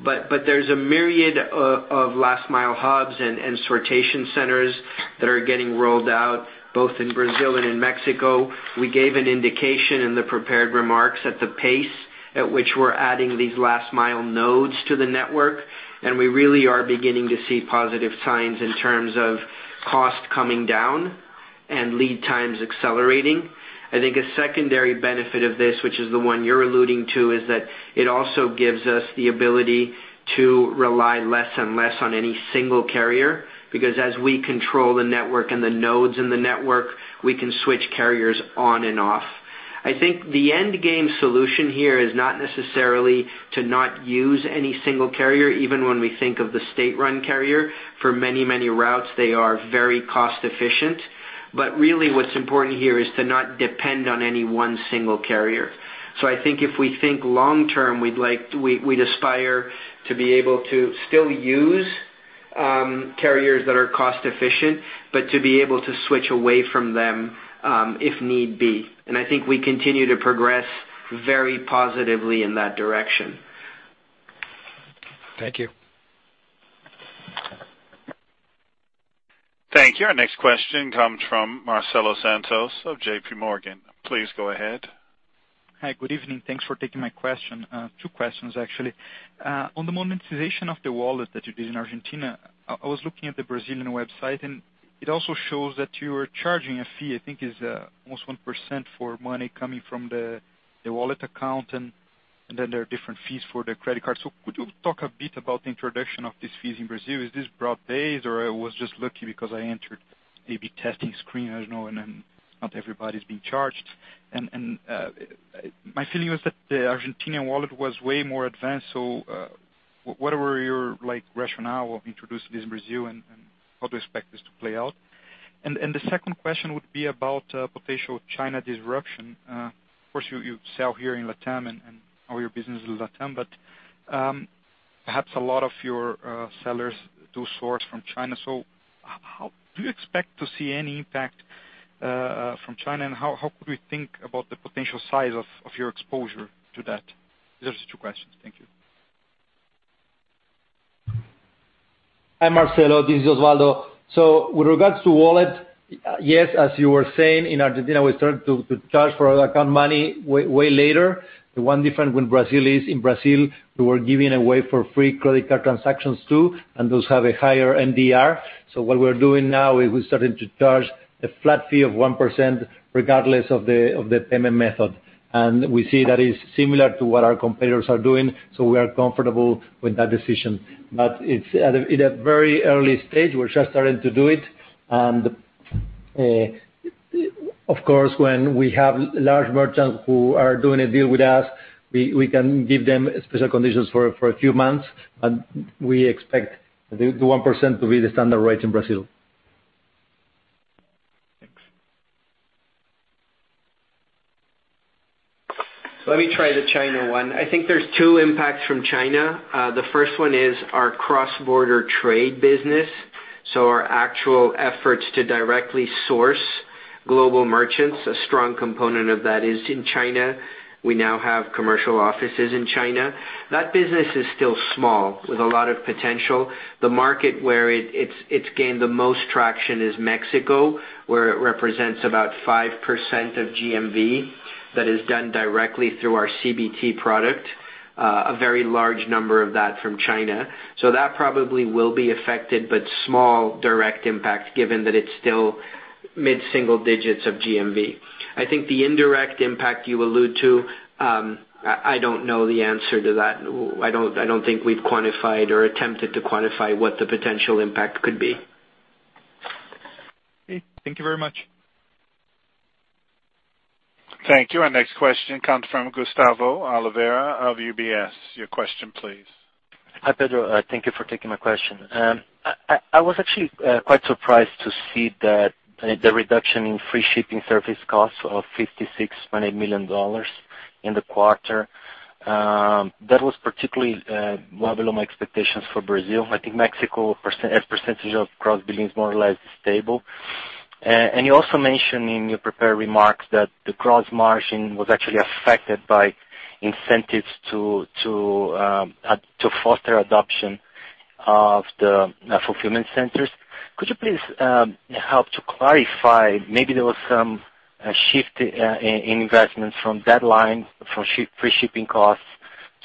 There's a myriad of last-mile hubs and sortation centers that are getting rolled out both in Brazil and in Mexico. We gave an indication in the prepared remarks at the pace at which we're adding these last-mile nodes to the network, we really are beginning to see positive signs in terms of cost coming down and lead times accelerating. I think a secondary benefit of this, which is the one you're alluding to, is that it also gives us the ability to rely less and less on any single carrier, because as we control the network and the nodes in the network, we can switch carriers on and off. I think the endgame solution here is not necessarily to not use any single carrier, even when we think of the state-run carrier. For many, many routes, they are very cost-efficient. Really what's important here is to not depend on any one single carrier. I think if we think long-term, we'd aspire to be able to still use carriers that are cost-efficient, but to be able to switch away from them if need be. I think we continue to progress very positively in that direction. Thank you. Thank you. Our next question comes from Marcelo Santos of JPMorgan. Please go ahead. Hi. Good evening. Thanks for taking my question. Two questions, actually. On the monetization of the wallet that you did in Argentina, I was looking at the Brazilian website, and it also shows that you are charging a fee. I think it's almost 1% for money coming from the wallet account, and then there are different fees for the credit card. Could you talk a bit about the introduction of these fees in Brazil? Is this broad-based, or I was just lucky because I entered A/B testing screen, and not everybody's being charged. My feeling was that the Argentinian wallet was way more advanced. What are your rationale of introducing this in Brazil, and how do you expect this to play out? The second question would be about potential China disruption. Of course, you sell here in LATAM and all your business is LATAM, but perhaps a lot of your sellers do source from China. Do you expect to see any impact from China, and how could we think about the potential size of your exposure to that? These are just two questions. Thank you. Hi, Marcelo. This is Osvaldo. With regards to wallet, yes, as you were saying, in Argentina, we started to charge for our account money way later. The one difference with Brazil is in Brazil, we were giving away for free credit card transactions too, and those have a higher MDR. What we're doing now is we're starting to charge a flat fee of 1% regardless of the payment method. We see that is similar to what our competitors are doing, so we are comfortable with that decision. It's at a very early stage, we're just starting to do it. Of course, when we have large merchants who are doing a deal with us, we can give them special conditions for a few months, but we expect the 1% to be the standard rate in Brazil. Thanks. Let me try the China one. I think there's two impacts from China. The first one is our cross-border trade business. Our actual efforts to directly source global merchants. A strong component of that is in China. We now have commercial offices in China. That business is still small, with a lot of potential. The market where it's gained the most traction is Mexico, where it represents about 5% of GMV that is done directly through our CBT product. A very large number of that from China. That probably will be affected, but small direct impact, given that it's still mid-single digits of GMV. I think the indirect impact you allude to, I don't know the answer to that. I don't think we've quantified or attempted to quantify what the potential impact could be. Okay. Thank you very much. Thank you. Our next question comes from Gustavo Oliveira of UBS. Your question, please. Hi, Pedro. Thank you for taking my question. I was actually quite surprised to see that the reduction in free shipping service costs of $56.8 million in the quarter. That was particularly well below my expectations for Brazil. I think Mexico as a percentage of cross-border is more or less stable. You also mentioned in your prepared remarks that the gross margin was actually affected by incentives to foster adoption of the fulfillment-centers. Could you please help to clarify? Maybe there was some shift in investments from deadlines for free shipping costs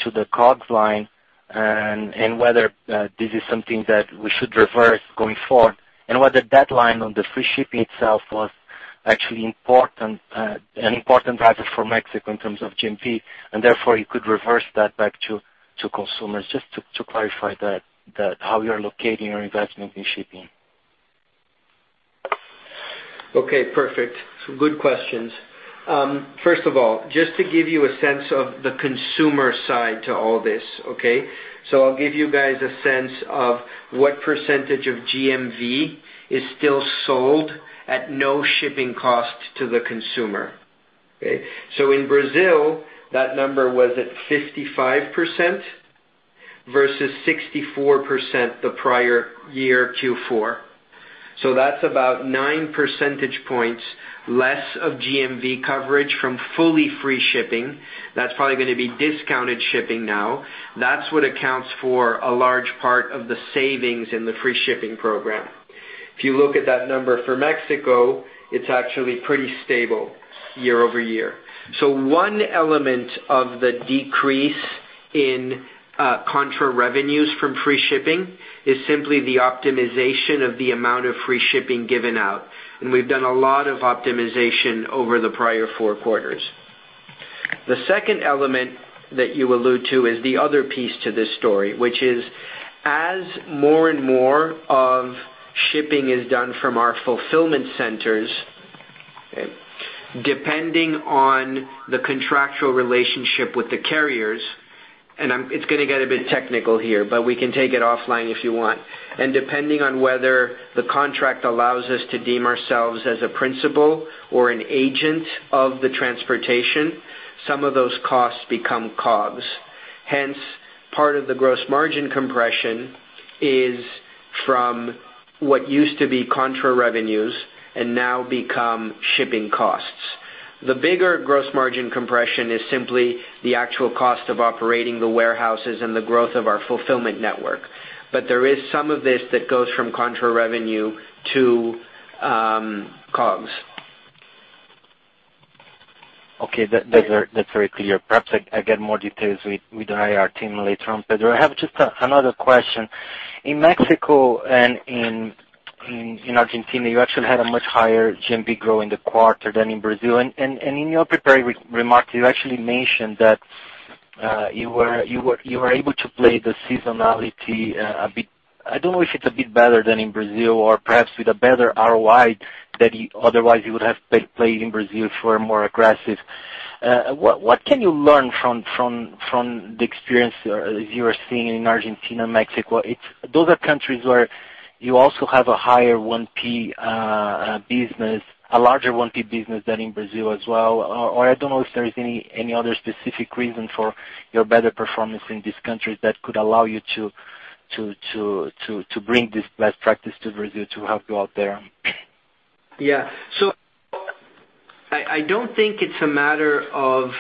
to the COGS line, and whether this is something that we should reverse going forward, and whether the deadline on the free shipping itself was actually an important driver for Mexico in terms of GMV, and therefore you could reverse that back to consumers. Just to clarify how you're locating your investment in shipping. Okay, perfect. Good questions. First of all, just to give you a sense of the consumer side to all this, okay? I'll give you guys a sense of what percentage of GMV is still sold at no shipping cost to the consumer. Okay. In Brazil, that number was at 55% versus 64% the prior year Q4. That's about 9 percentage points less of GMV coverage from fully free shipping. That's probably going to be discounted shipping now. That's what accounts for a large part of the savings in the free shipping program. If you look at that number for Mexico, it's actually pretty stable year-over-year. One element of the decrease in contra-revenues from free shipping is simply the optimization of the amount of free shipping given out. We've done a lot of optimization over the prior four quarters. The second element that you allude to is the other piece to this story, which is as more and more of shipping is done from our fulfillment centers, depending on the contractual relationship with the carriers, and it's going to get a bit technical here, but we can take it offline if you want. Depending on whether the contract allows us to deem ourselves as a principal or an agent of the transportation, some of those costs become COGS. Hence, part of the gross margin compression is from what used to be contra-revenues and now become shipping costs. The bigger gross margin compression is simply the actual cost of operating the warehouses and the growth of our fulfillment network. There is some of this that goes from contra-revenue to COGS. Okay. That's very clear. Perhaps I get more details with the IR team later on. Pedro, I have just another question. In Mexico and in Argentina, you actually had a much higher GMV growth in the quarter than in Brazil. In your prepared remarks, you actually mentioned that you were able to play the seasonality a bit. I don't know if it's a bit better than in Brazil or perhaps with a better ROI than otherwise you would have played in Brazil for a more aggressive. What can you learn from the experience you are seeing in Argentina and Mexico? Those are countries where you also have a larger 1P business than in Brazil as well. I don't know if there is any other specific reason for your better performance in these countries that could allow you to bring this best practice to Brazil to help you out there. Yeah. I don't think it's a matter of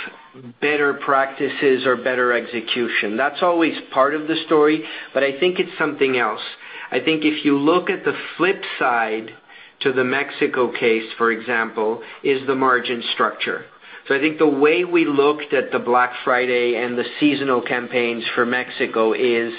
better practices or better execution. That's always part of the story, but I think it's something else. I think if you look at the flip side to the Mexico case, for example, is the margin structure. I think the way we looked at the Black Friday and the seasonal campaigns for Mexico is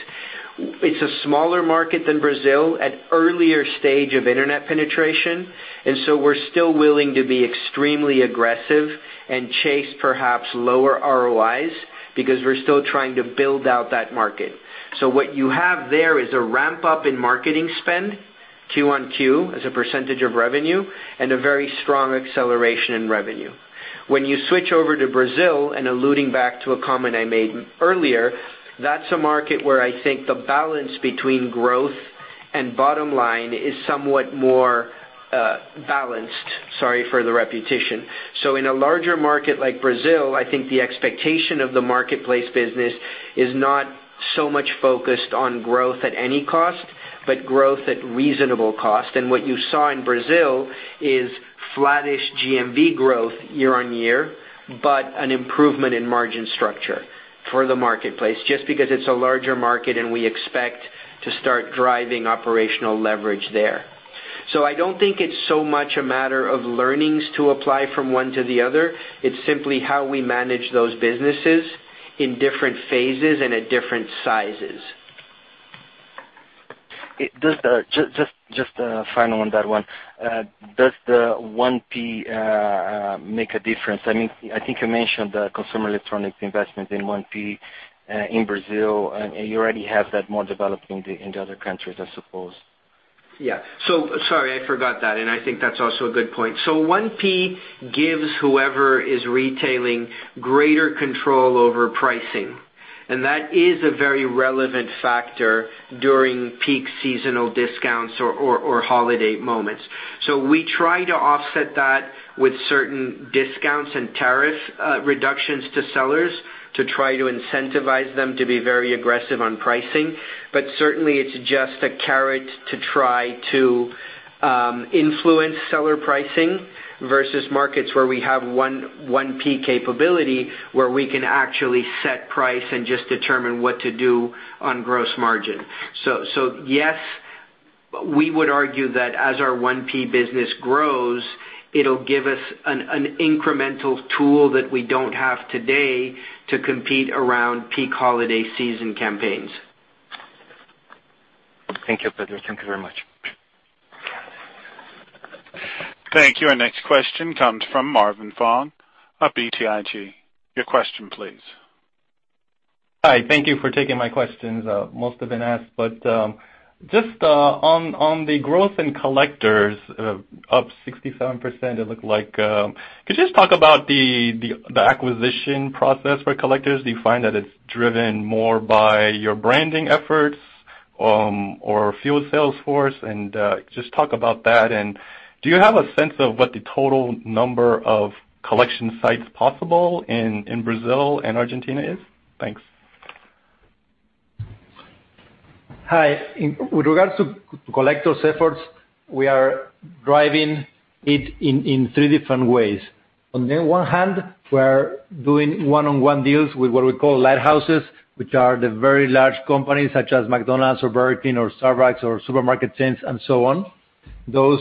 it's a smaller market than Brazil at earlier stage of internet penetration, and so we're still willing to be extremely aggressive and chase perhaps lower ROIs because we're still trying to build out that market. What you have there is a ramp-up in marketing spend QoQ as a percentage of revenue and a very strong acceleration in revenue. When you switch over to Brazil, and alluding back to a comment I made earlier, that's a market where I think the balance between growth and bottom line is somewhat more balanced. Sorry for the repetition. In a larger market like Brazil, I think the expectation of the marketplace business is not so much focused on growth at any cost, but growth at reasonable cost. What you saw in Brazil is flattish GMV growth year-on-year, but an improvement in margin structure for the marketplace, just because it's a larger market, and we expect to start driving operational leverage there. I don't think it's so much a matter of learnings to apply from one to the other, it's simply how we manage those businesses in different phases and at different sizes. Just final on that one. Does the 1P make a difference? I think you mentioned the consumer electronics investment in 1P in Brazil, and you already have that more developed in the other countries, I suppose. Sorry, I forgot that. I think that's also a good point. 1P gives whoever is retailing greater control over pricing. That is a very relevant factor during peak seasonal discounts or holiday moments. We try to offset that with certain discounts and tariff reductions to sellers to try to incentivize them to be very aggressive on pricing. Certainly, it's just a carrot to try to influence seller pricing versus markets where we have 1P capability, where we can actually set price and just determine what to do on gross margin. Yes, we would argue that as our 1P business grows, it'll give us an incremental tool that we don't have today to compete around peak holiday season campaigns. Thank you, Pedro. Thank you very much. Thank you. Our next question comes from Marvin Fong of BTIG. Your question, please. Hi. Thank you for taking my questions. Most have been asked, but just on the growth in collectors, up 67%, it looked like. Could you just talk about the acquisition process for collectors? Do you find that it's driven more by your branding efforts or field sales force? Just talk about that, and do you have a sense of what the total number of collection sites possible in Brazil and Argentina is? Thanks. Hi. With regards to collectors' efforts, we are driving it in three different ways. On the one hand, we're doing one-on-one deals with what we call lighthouses, which are the very large companies such as McDonald's or Burger King or Starbucks or supermarket chains and so on. Those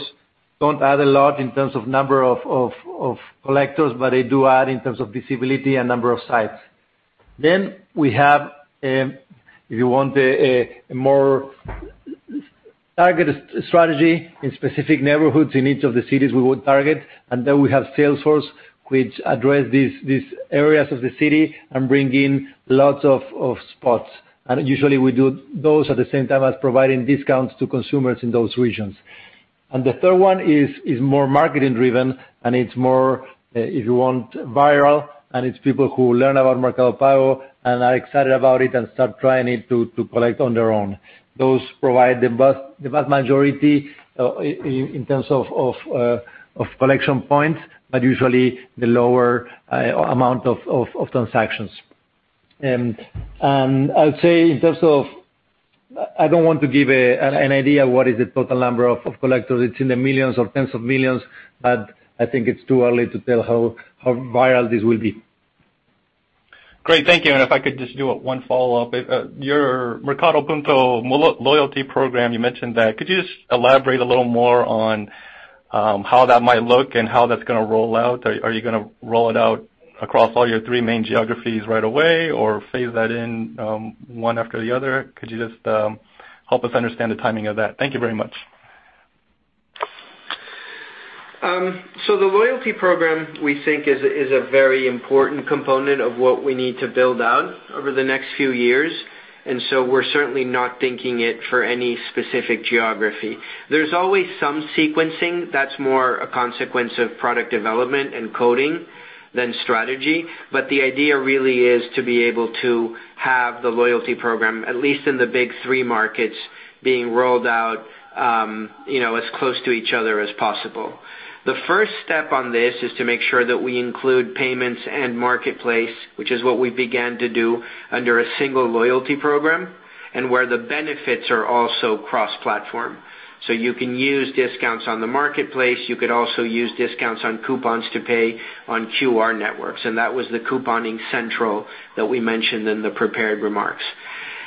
don't add a lot in terms of number of collectors, but they do add in terms of visibility and number of sites. We have, if you want a more targeted strategy in specific neighborhoods in each of the cities we would target, and then we have salesforce, which address these areas of the city and bring in lots of spots. Usually, we do those at the same time as providing discounts to consumers in those regions. The third one is more marketing-driven, and it's more, if you want, viral, and it's people who learn about Mercado Pago and are excited about it and start trying it to collect on their own. Those provide the vast majority in terms of collection points, but usually the lower amount of transactions. I'll say, I don't want to give an idea what is the total number of collectors. It's in the millions or tens of millions, but I think it's too early to tell how viral this will be. Great. Thank you. If I could just do one follow-up. Your Mercado Puntos loyalty program, you mentioned that. Could you just elaborate a little more on how that might look and how that's going to roll out? Are you going to roll it out across all your three main geographies right away or phase that in one after the other? Could you just help us understand the timing of that? Thank you very much. The loyalty program, we think, is a very important component of what we need to build out over the next few years. We're certainly not thinking it for any specific geography. There's always some sequencing. That's more a consequence of product development and coding than strategy. The idea really is to be able to have the loyalty program, at least in the big three markets, being rolled out as close to each other as possible. The first step on this is to make sure that we include payments and marketplace, which is what we began to do under a single loyalty program, and where the benefits are also cross-platform. You can use discounts on the marketplace. You could also use discounts on coupons to pay on QR networks. That was the couponing central that we mentioned in the prepared remarks.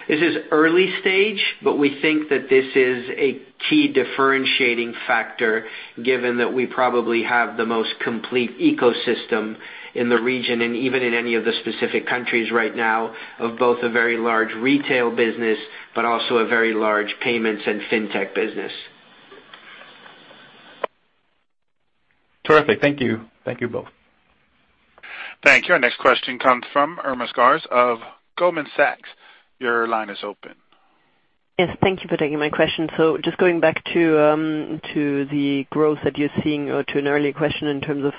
This is early-stage, but we think that this is a key differentiating factor given that we probably have the most complete ecosystem in the region and even in any of the specific countries right now of both a very large retail business, but also a very large payments and fintech business. Terrific. Thank you. Thank you both. Thank you. Our next question comes from Irma Sgarz of Goldman Sachs. Your line is open. Yes. Thank you for taking my question. Just going back to the growth that you're seeing, or to an earlier question in terms of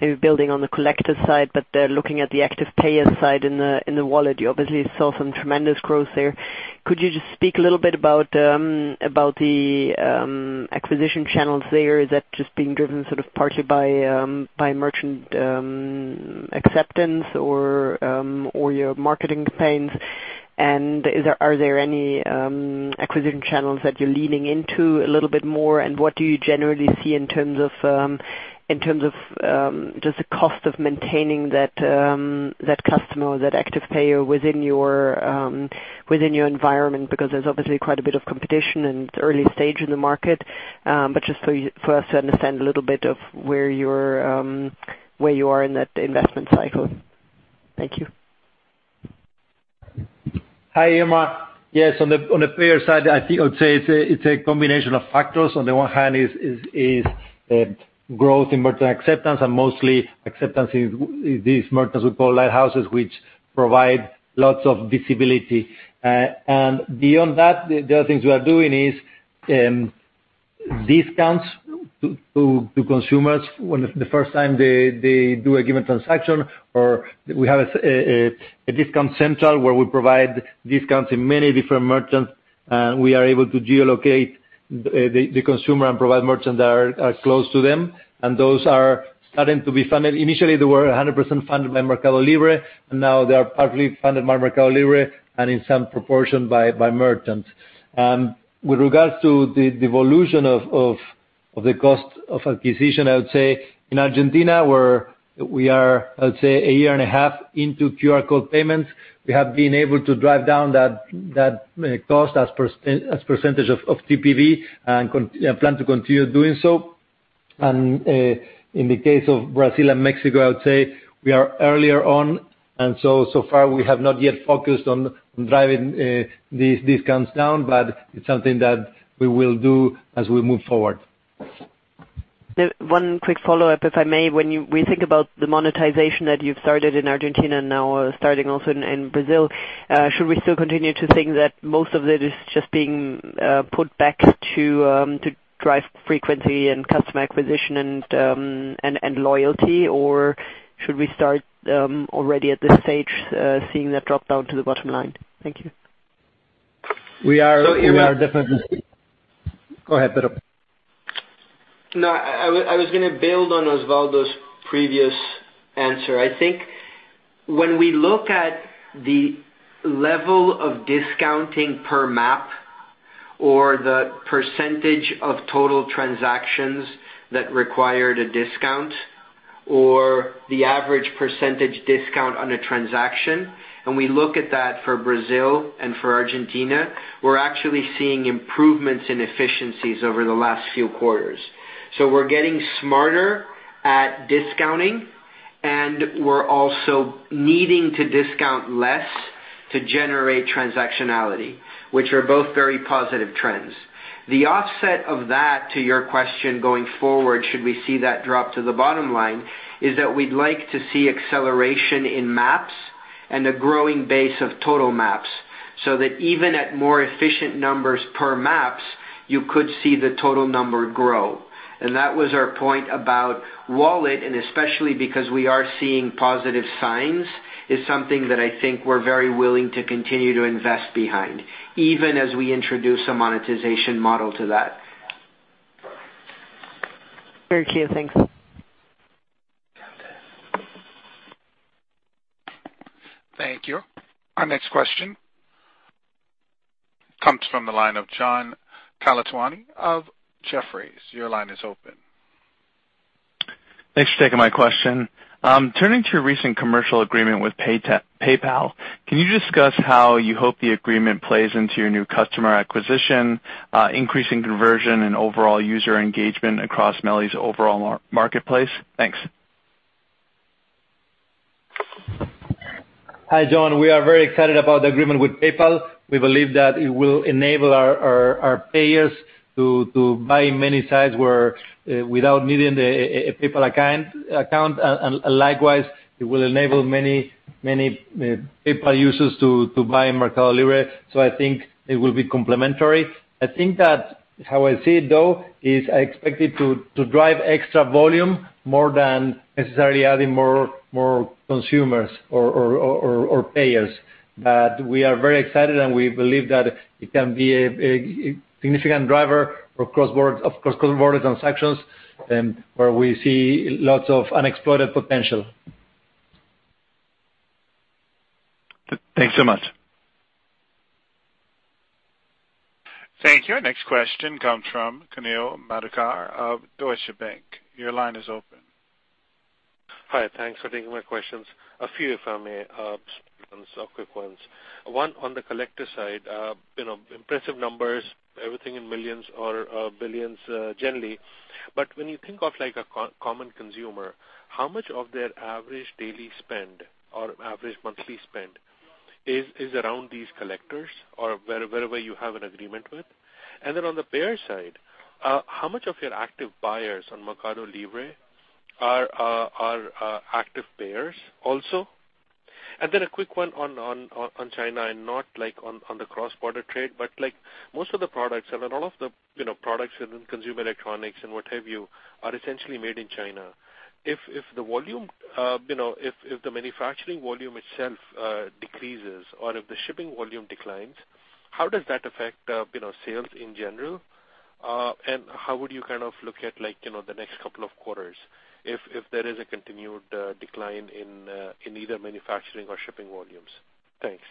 maybe building on the collector side, but then looking at the active payer side in the wallet, you obviously saw some tremendous growth there. Could you just speak a little bit about the acquisition channels there? Is that just being driven sort of partly by merchant acceptance or your marketing campaigns? Are there any acquisition channels that you're leaning into a little bit more? What do you generally see in terms of just the cost of maintaining that customer or that active payer within your environment? Because there's obviously quite a bit of competition in the early stage in the market. Just for us to understand a little bit of where you are in that investment cycle. Thank you. Hi, Irma. Yes. On the payer side, I think I would say it's a combination of factors. On the one hand, it's growth in merchant acceptance and mostly acceptance in these merchants we call lighthouses, which provide lots of visibility. Beyond that, the other things we are doing is discounts to consumers when the first time they do a given transaction, or we have a discount center where we provide discounts in many different merchants, and we are able to geo-locate the consumer and provide merchants that are close to them. Those are starting to be funded. Initially, they were 100% funded by Mercado Libre, now they are partly funded by Mercado Libre and in some proportion by merchants. With regards to the evolution of the cost of acquisition, I would say in Argentina, where we are, I would say, a year and a half into QR code payments, we have been able to drive down that cost as percentage of TPV and plan to continue doing so. In the case of Brazil and Mexico, I would say we are earlier on, and so far we have not yet focused on driving these discounts down, but it's something that we will do as we move forward. One quick follow-up, if I may. When we think about the monetization that you've started in Argentina and now starting also in Brazil, should we still continue to think that most of it is just being put back to drive frequency and customer acquisition and loyalty? Or should we start already at this stage seeing that drop down to the bottom line? Thank you. Go ahead, Pedro. No, I was going to build on Osvaldo's previous answer. I think when we look at the level of discounting per map or the percentage of total transactions that required a discount or the average percentage discount on a transaction, and we look at that for Brazil and for Argentina, we're actually seeing improvements in efficiencies over the last few quarters. We're getting smarter at discounting, and we're also needing to discount less to generate transactionality, which are both very positive trends. The offset of that to your question going forward, should we see that drop to the bottom line, is that we'd like to see acceleration in maps and a growing base of total maps, so that even at more efficient numbers per maps, you could see the total number grow. That was our point about wallet, and especially because we are seeing positive signs, is something that I think we're very willing to continue to invest behind, even as we introduce a monetization model to that. Very clear. Thanks. Thank you. Our next question comes from the line of John Colantuoni of Jefferies. Your line is open. Thanks for taking my question. Turning to your recent commercial agreement with PayPal, can you discuss how you hope the agreement plays into your new customer acquisition, increasing conversion, and overall user engagement across MELI's overall marketplace? Thanks. Hi, John. We are very excited about the agreement with PayPal. We believe that it will enable our payers to buy many sites without needing a PayPal account. Likewise, it will enable many PayPal users to buy in Mercado Libre. I think it will be complementary. I think that how I see it, though, is I expect it to drive extra volume more than necessarily adding more consumers or payers. We are very excited, and we believe that it can be a significant driver of cross-border transactions, where we see lots of unexplored potential. Thanks so much. Thank you. Our next question comes from Kunal Madhukar of Deutsche Bank. Your line is open. Hi. Thanks for taking my questions. A few, if I may. Just quick ones. One on the collector side. Impressive numbers, everything in millions or billions generally. When you think of a common consumer, how much of their average daily spend or average monthly spend is around these collectors or wherever you have an agreement with? On the payer side, how much of your active buyers on Mercado Libre are active payers also? A quick one on China and not on the cross-border trade, but most of the products and a lot of the products in consumer electronics and what have you, are essentially made in China. If the manufacturing volume itself decreases or if the shipping volume declines, how does that affect sales in general? How would you look at the next couple of quarters if there is a continued decline in either manufacturing or shipping volumes? Thanks.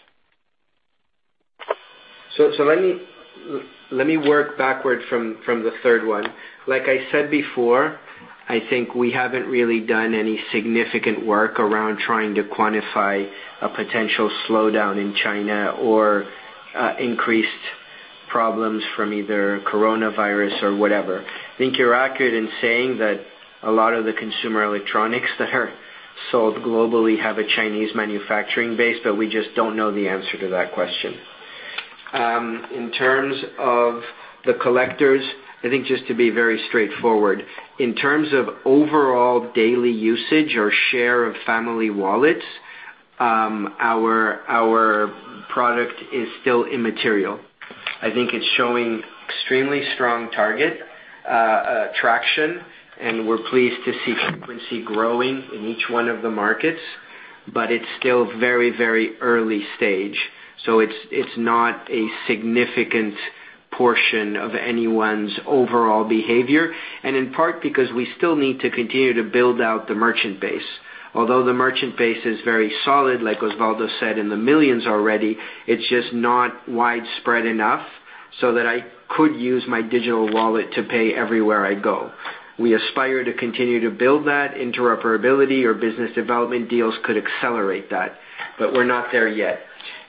Let me work backward from the third one. Like I said before, I think we haven't really done any significant work around trying to quantify a potential slowdown in China or increased problems from either coronavirus or whatever. I think you're accurate in saying that a lot of the consumer electronics that are sold globally have a Chinese manufacturing base, we just don't know the answer to that question. In terms of the collectors, I think just to be very straightforward, in terms of overall daily usage or share of family wallets, our product is still immaterial. I think it's showing extremely strong target traction, we're pleased to see frequency growing in each one of the markets, it's still very early stage. It's not a significant portion of anyone's overall behavior, and in part because we still need to continue to build out the merchant base. Although the merchant base is very solid, like Osvaldo said, in the millions already, it's just not widespread enough so that I could use my digital wallet to pay everywhere I go. We aspire to continue to build that. Interoperability or business development deals could accelerate that, but we're not there yet.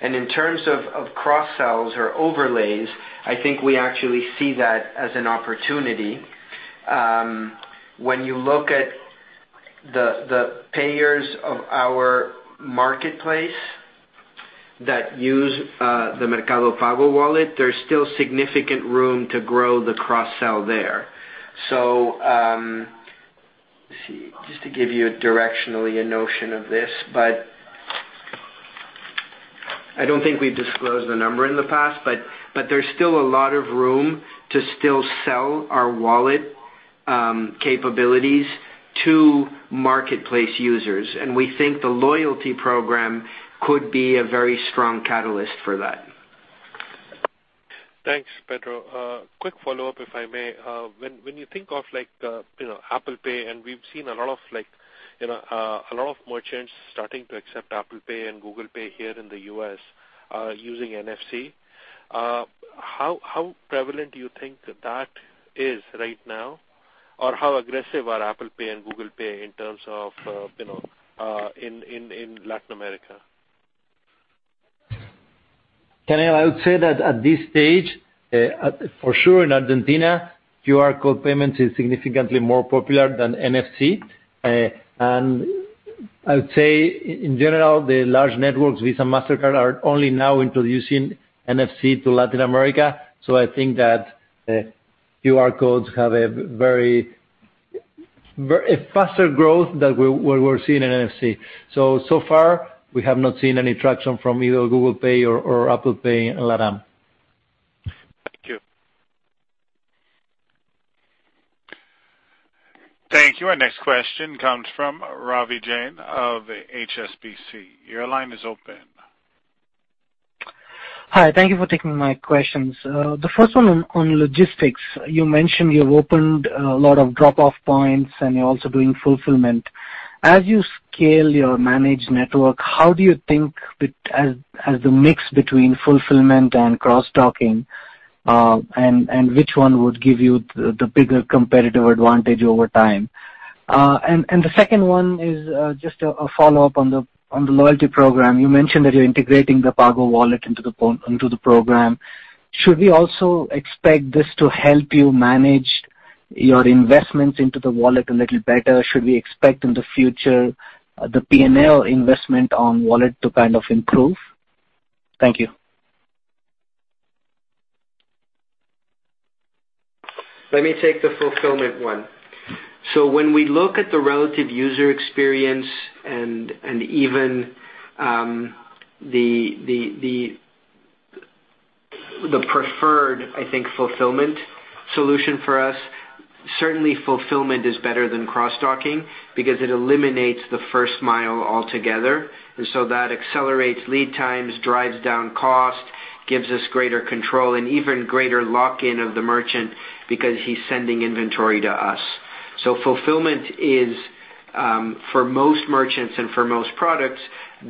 In terms of cross-sells or overlays, I think we actually see that as an opportunity. When you look at the payers of our marketplace that use the Mercado Pago wallet, there's still significant room to grow the cross-sell there. Let me see, just to give you directionally a notion of this, but I don't think we've disclosed the number in the past, but there's still a lot of room to still sell our wallet capabilities to marketplace users. We think the loyalty program could be a very strong catalyst for that. Thanks, Pedro. A quick follow-up, if I may. When you think of Apple Pay, and we've seen a lot of merchants starting to accept Apple Pay and Google Pay here in the U.S. using NFC. How prevalent do you think that is right now? How aggressive are Apple Pay and Google Pay in Latin America? Kunal, I would say that at this stage, for sure in Argentina, QR code payments is significantly more popular than NFC. I would say in general, the large networks, Visa, Mastercard, are only now introducing NFC to Latin America. I think that QR codes have a faster growth than what we're seeing in NFC. So far we have not seen any traction from either Google Pay or Apple Pay in LATAM. Thank you. Thank you. Our next question comes from Ravi Jain of HSBC. Your line is open. Hi. Thank you for taking my questions. The first one on logistics. You mentioned you've opened a lot of drop-off points and you're also doing fulfillment. As you scale your managed network, how do you think as the mix between fulfillment and cross-docking, and which one would give you the bigger competitive advantage over time? The second one is just a follow-up on the loyalty program. You mentioned that you're integrating the Pago wallet into the program. Should we also expect this to help you manage your investments into the wallet a little better? Should we expect in the future the P&L investment on wallet to kind of improve? Thank you. Let me take the fulfillment one. When we look at the relative user experience and even the preferred, I think, fulfillment solution for us, certainly fulfillment is better than cross-docking because it eliminates the first mile altogether. That accelerates lead times, drives down cost, gives us greater control, and even greater lock-in of the merchant because he's sending inventory to us. Fulfillment is, for most merchants and for most products,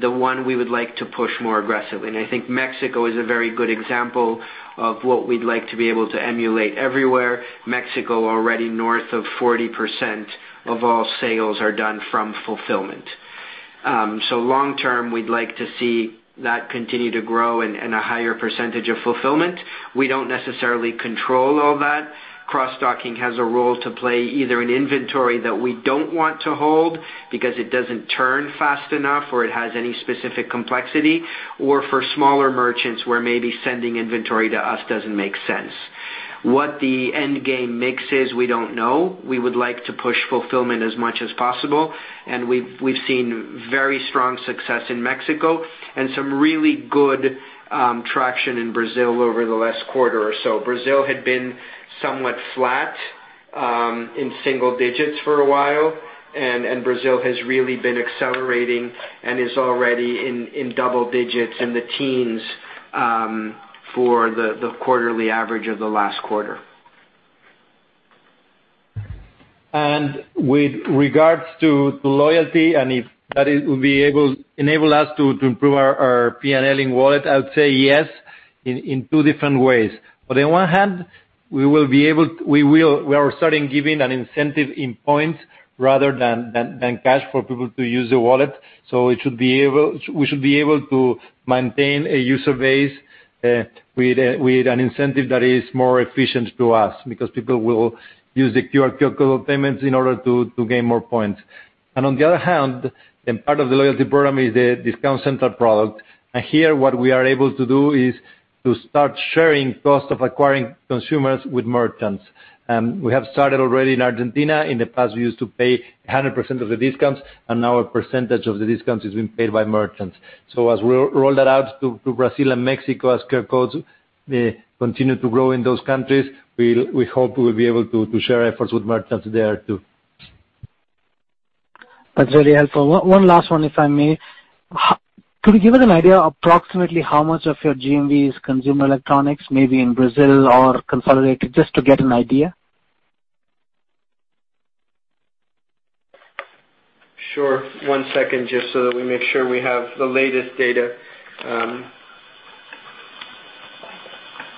the one we would like to push more aggressively. I think Mexico is a very good example of what we'd like to be able to emulate everywhere. Mexico, already north of 40% of all sales are done from fulfillment. Long term, we'd like to see that continue to grow and a higher percentage of fulfillment. We don't necessarily control all that. Cross-docking has a role to play, either in inventory that we don't want to hold because it doesn't turn fast enough or it has any specific complexity, or for smaller merchants where maybe sending inventory to us doesn't make sense. What the end game mix is, we don't know. We would like to push fulfillment as much as possible, and we've seen very strong success in Mexico and some really good traction in Brazil over the last quarter or so. Brazil had been somewhat flat in single-digits for a while, and Brazil has really been accelerating and is already in double-digits in the teens for the quarterly average of the last quarter. With regards to loyalty and if that will enable us to improve our P&L in wallet, I would say yes in two different ways. On one hand, we are starting giving an incentive in points rather than cash for people to use the wallet. We should be able to maintain a user base with an incentive that is more efficient to us because people will use the QR code payments in order to gain more points. On the other hand, part of the loyalty program is the discount center product. Here, what we are able to do is to start sharing cost of acquiring consumers with merchants. We have started already in Argentina. In the past, we used to pay 100% of the discounts, and now a percentage of the discounts is being paid by merchants. As we roll that out to Brazil and Mexico, as QR codes continue to grow in those countries, we hope we will be able to share efforts with merchants there too. That's really helpful. One last one, if I may. Could you give us an idea approximately how much of your GMV is consumer electronics, maybe in Brazil or consolidated, just to get an idea? Sure. One second, just so that we make sure we have the latest data.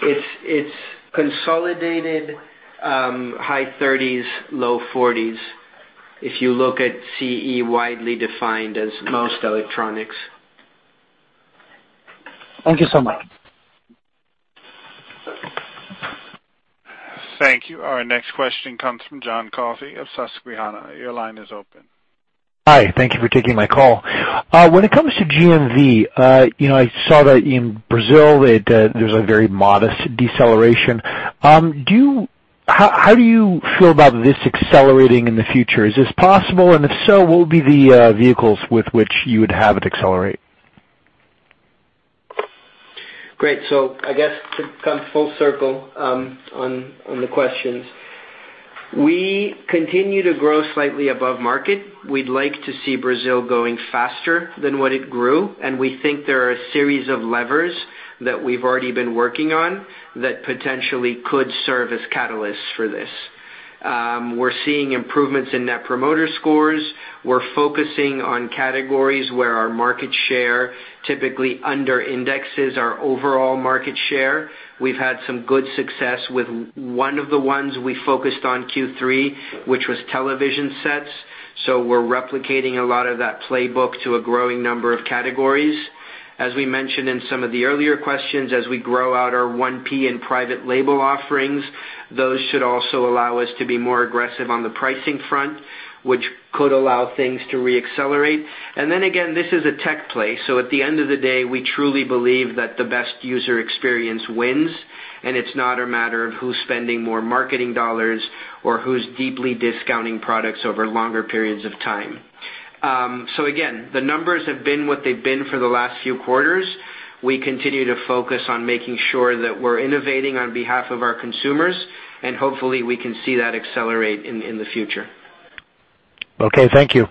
It's consolidated high-30s, low-40s. If you look at CE widely defined as most electronics. Thank you so much. Thank you. Our next question comes from John Coffey of Susquehanna. Your line is open. Hi. Thank you for taking my call. When it comes to GMV, I saw that in Brazil, there's a very modest deceleration. How do you feel about this accelerating in the future? Is this possible, and if so, what will be the vehicles with which you would have it accelerate? Great. I guess to come full circle on the questions. We continue to grow slightly above market. We'd like to see Brazil going faster than what it grew, and we think there are a series of levers that we've already been working on that potentially could serve as catalysts for this. We're seeing improvements in net promoter scores. We're focusing on categories where our market share typically under-indexes our overall market share. We've had some good success with one of the ones we focused on Q3, which was television sets. We're replicating a lot of that playbook to a growing number of categories. As we mentioned in some of the earlier questions, as we grow out our 1P and private label offerings, those should also allow us to be more aggressive on the pricing front, which could allow things to re-accelerate. Again, this is a tech play. At the end of the day, we truly believe that the best user experience wins, and it's not a matter of who's spending more marketing dollars or who's deeply discounting products over longer periods of time. Again, the numbers have been what they've been for the last few quarters. We continue to focus on making sure that we're innovating on behalf of our consumers, and hopefully we can see that accelerate in the future. Okay. Thank you.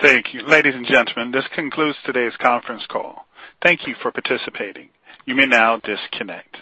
Thank you. Ladies and gentlemen, this concludes today's conference call. Thank you for participating. You may now disconnect.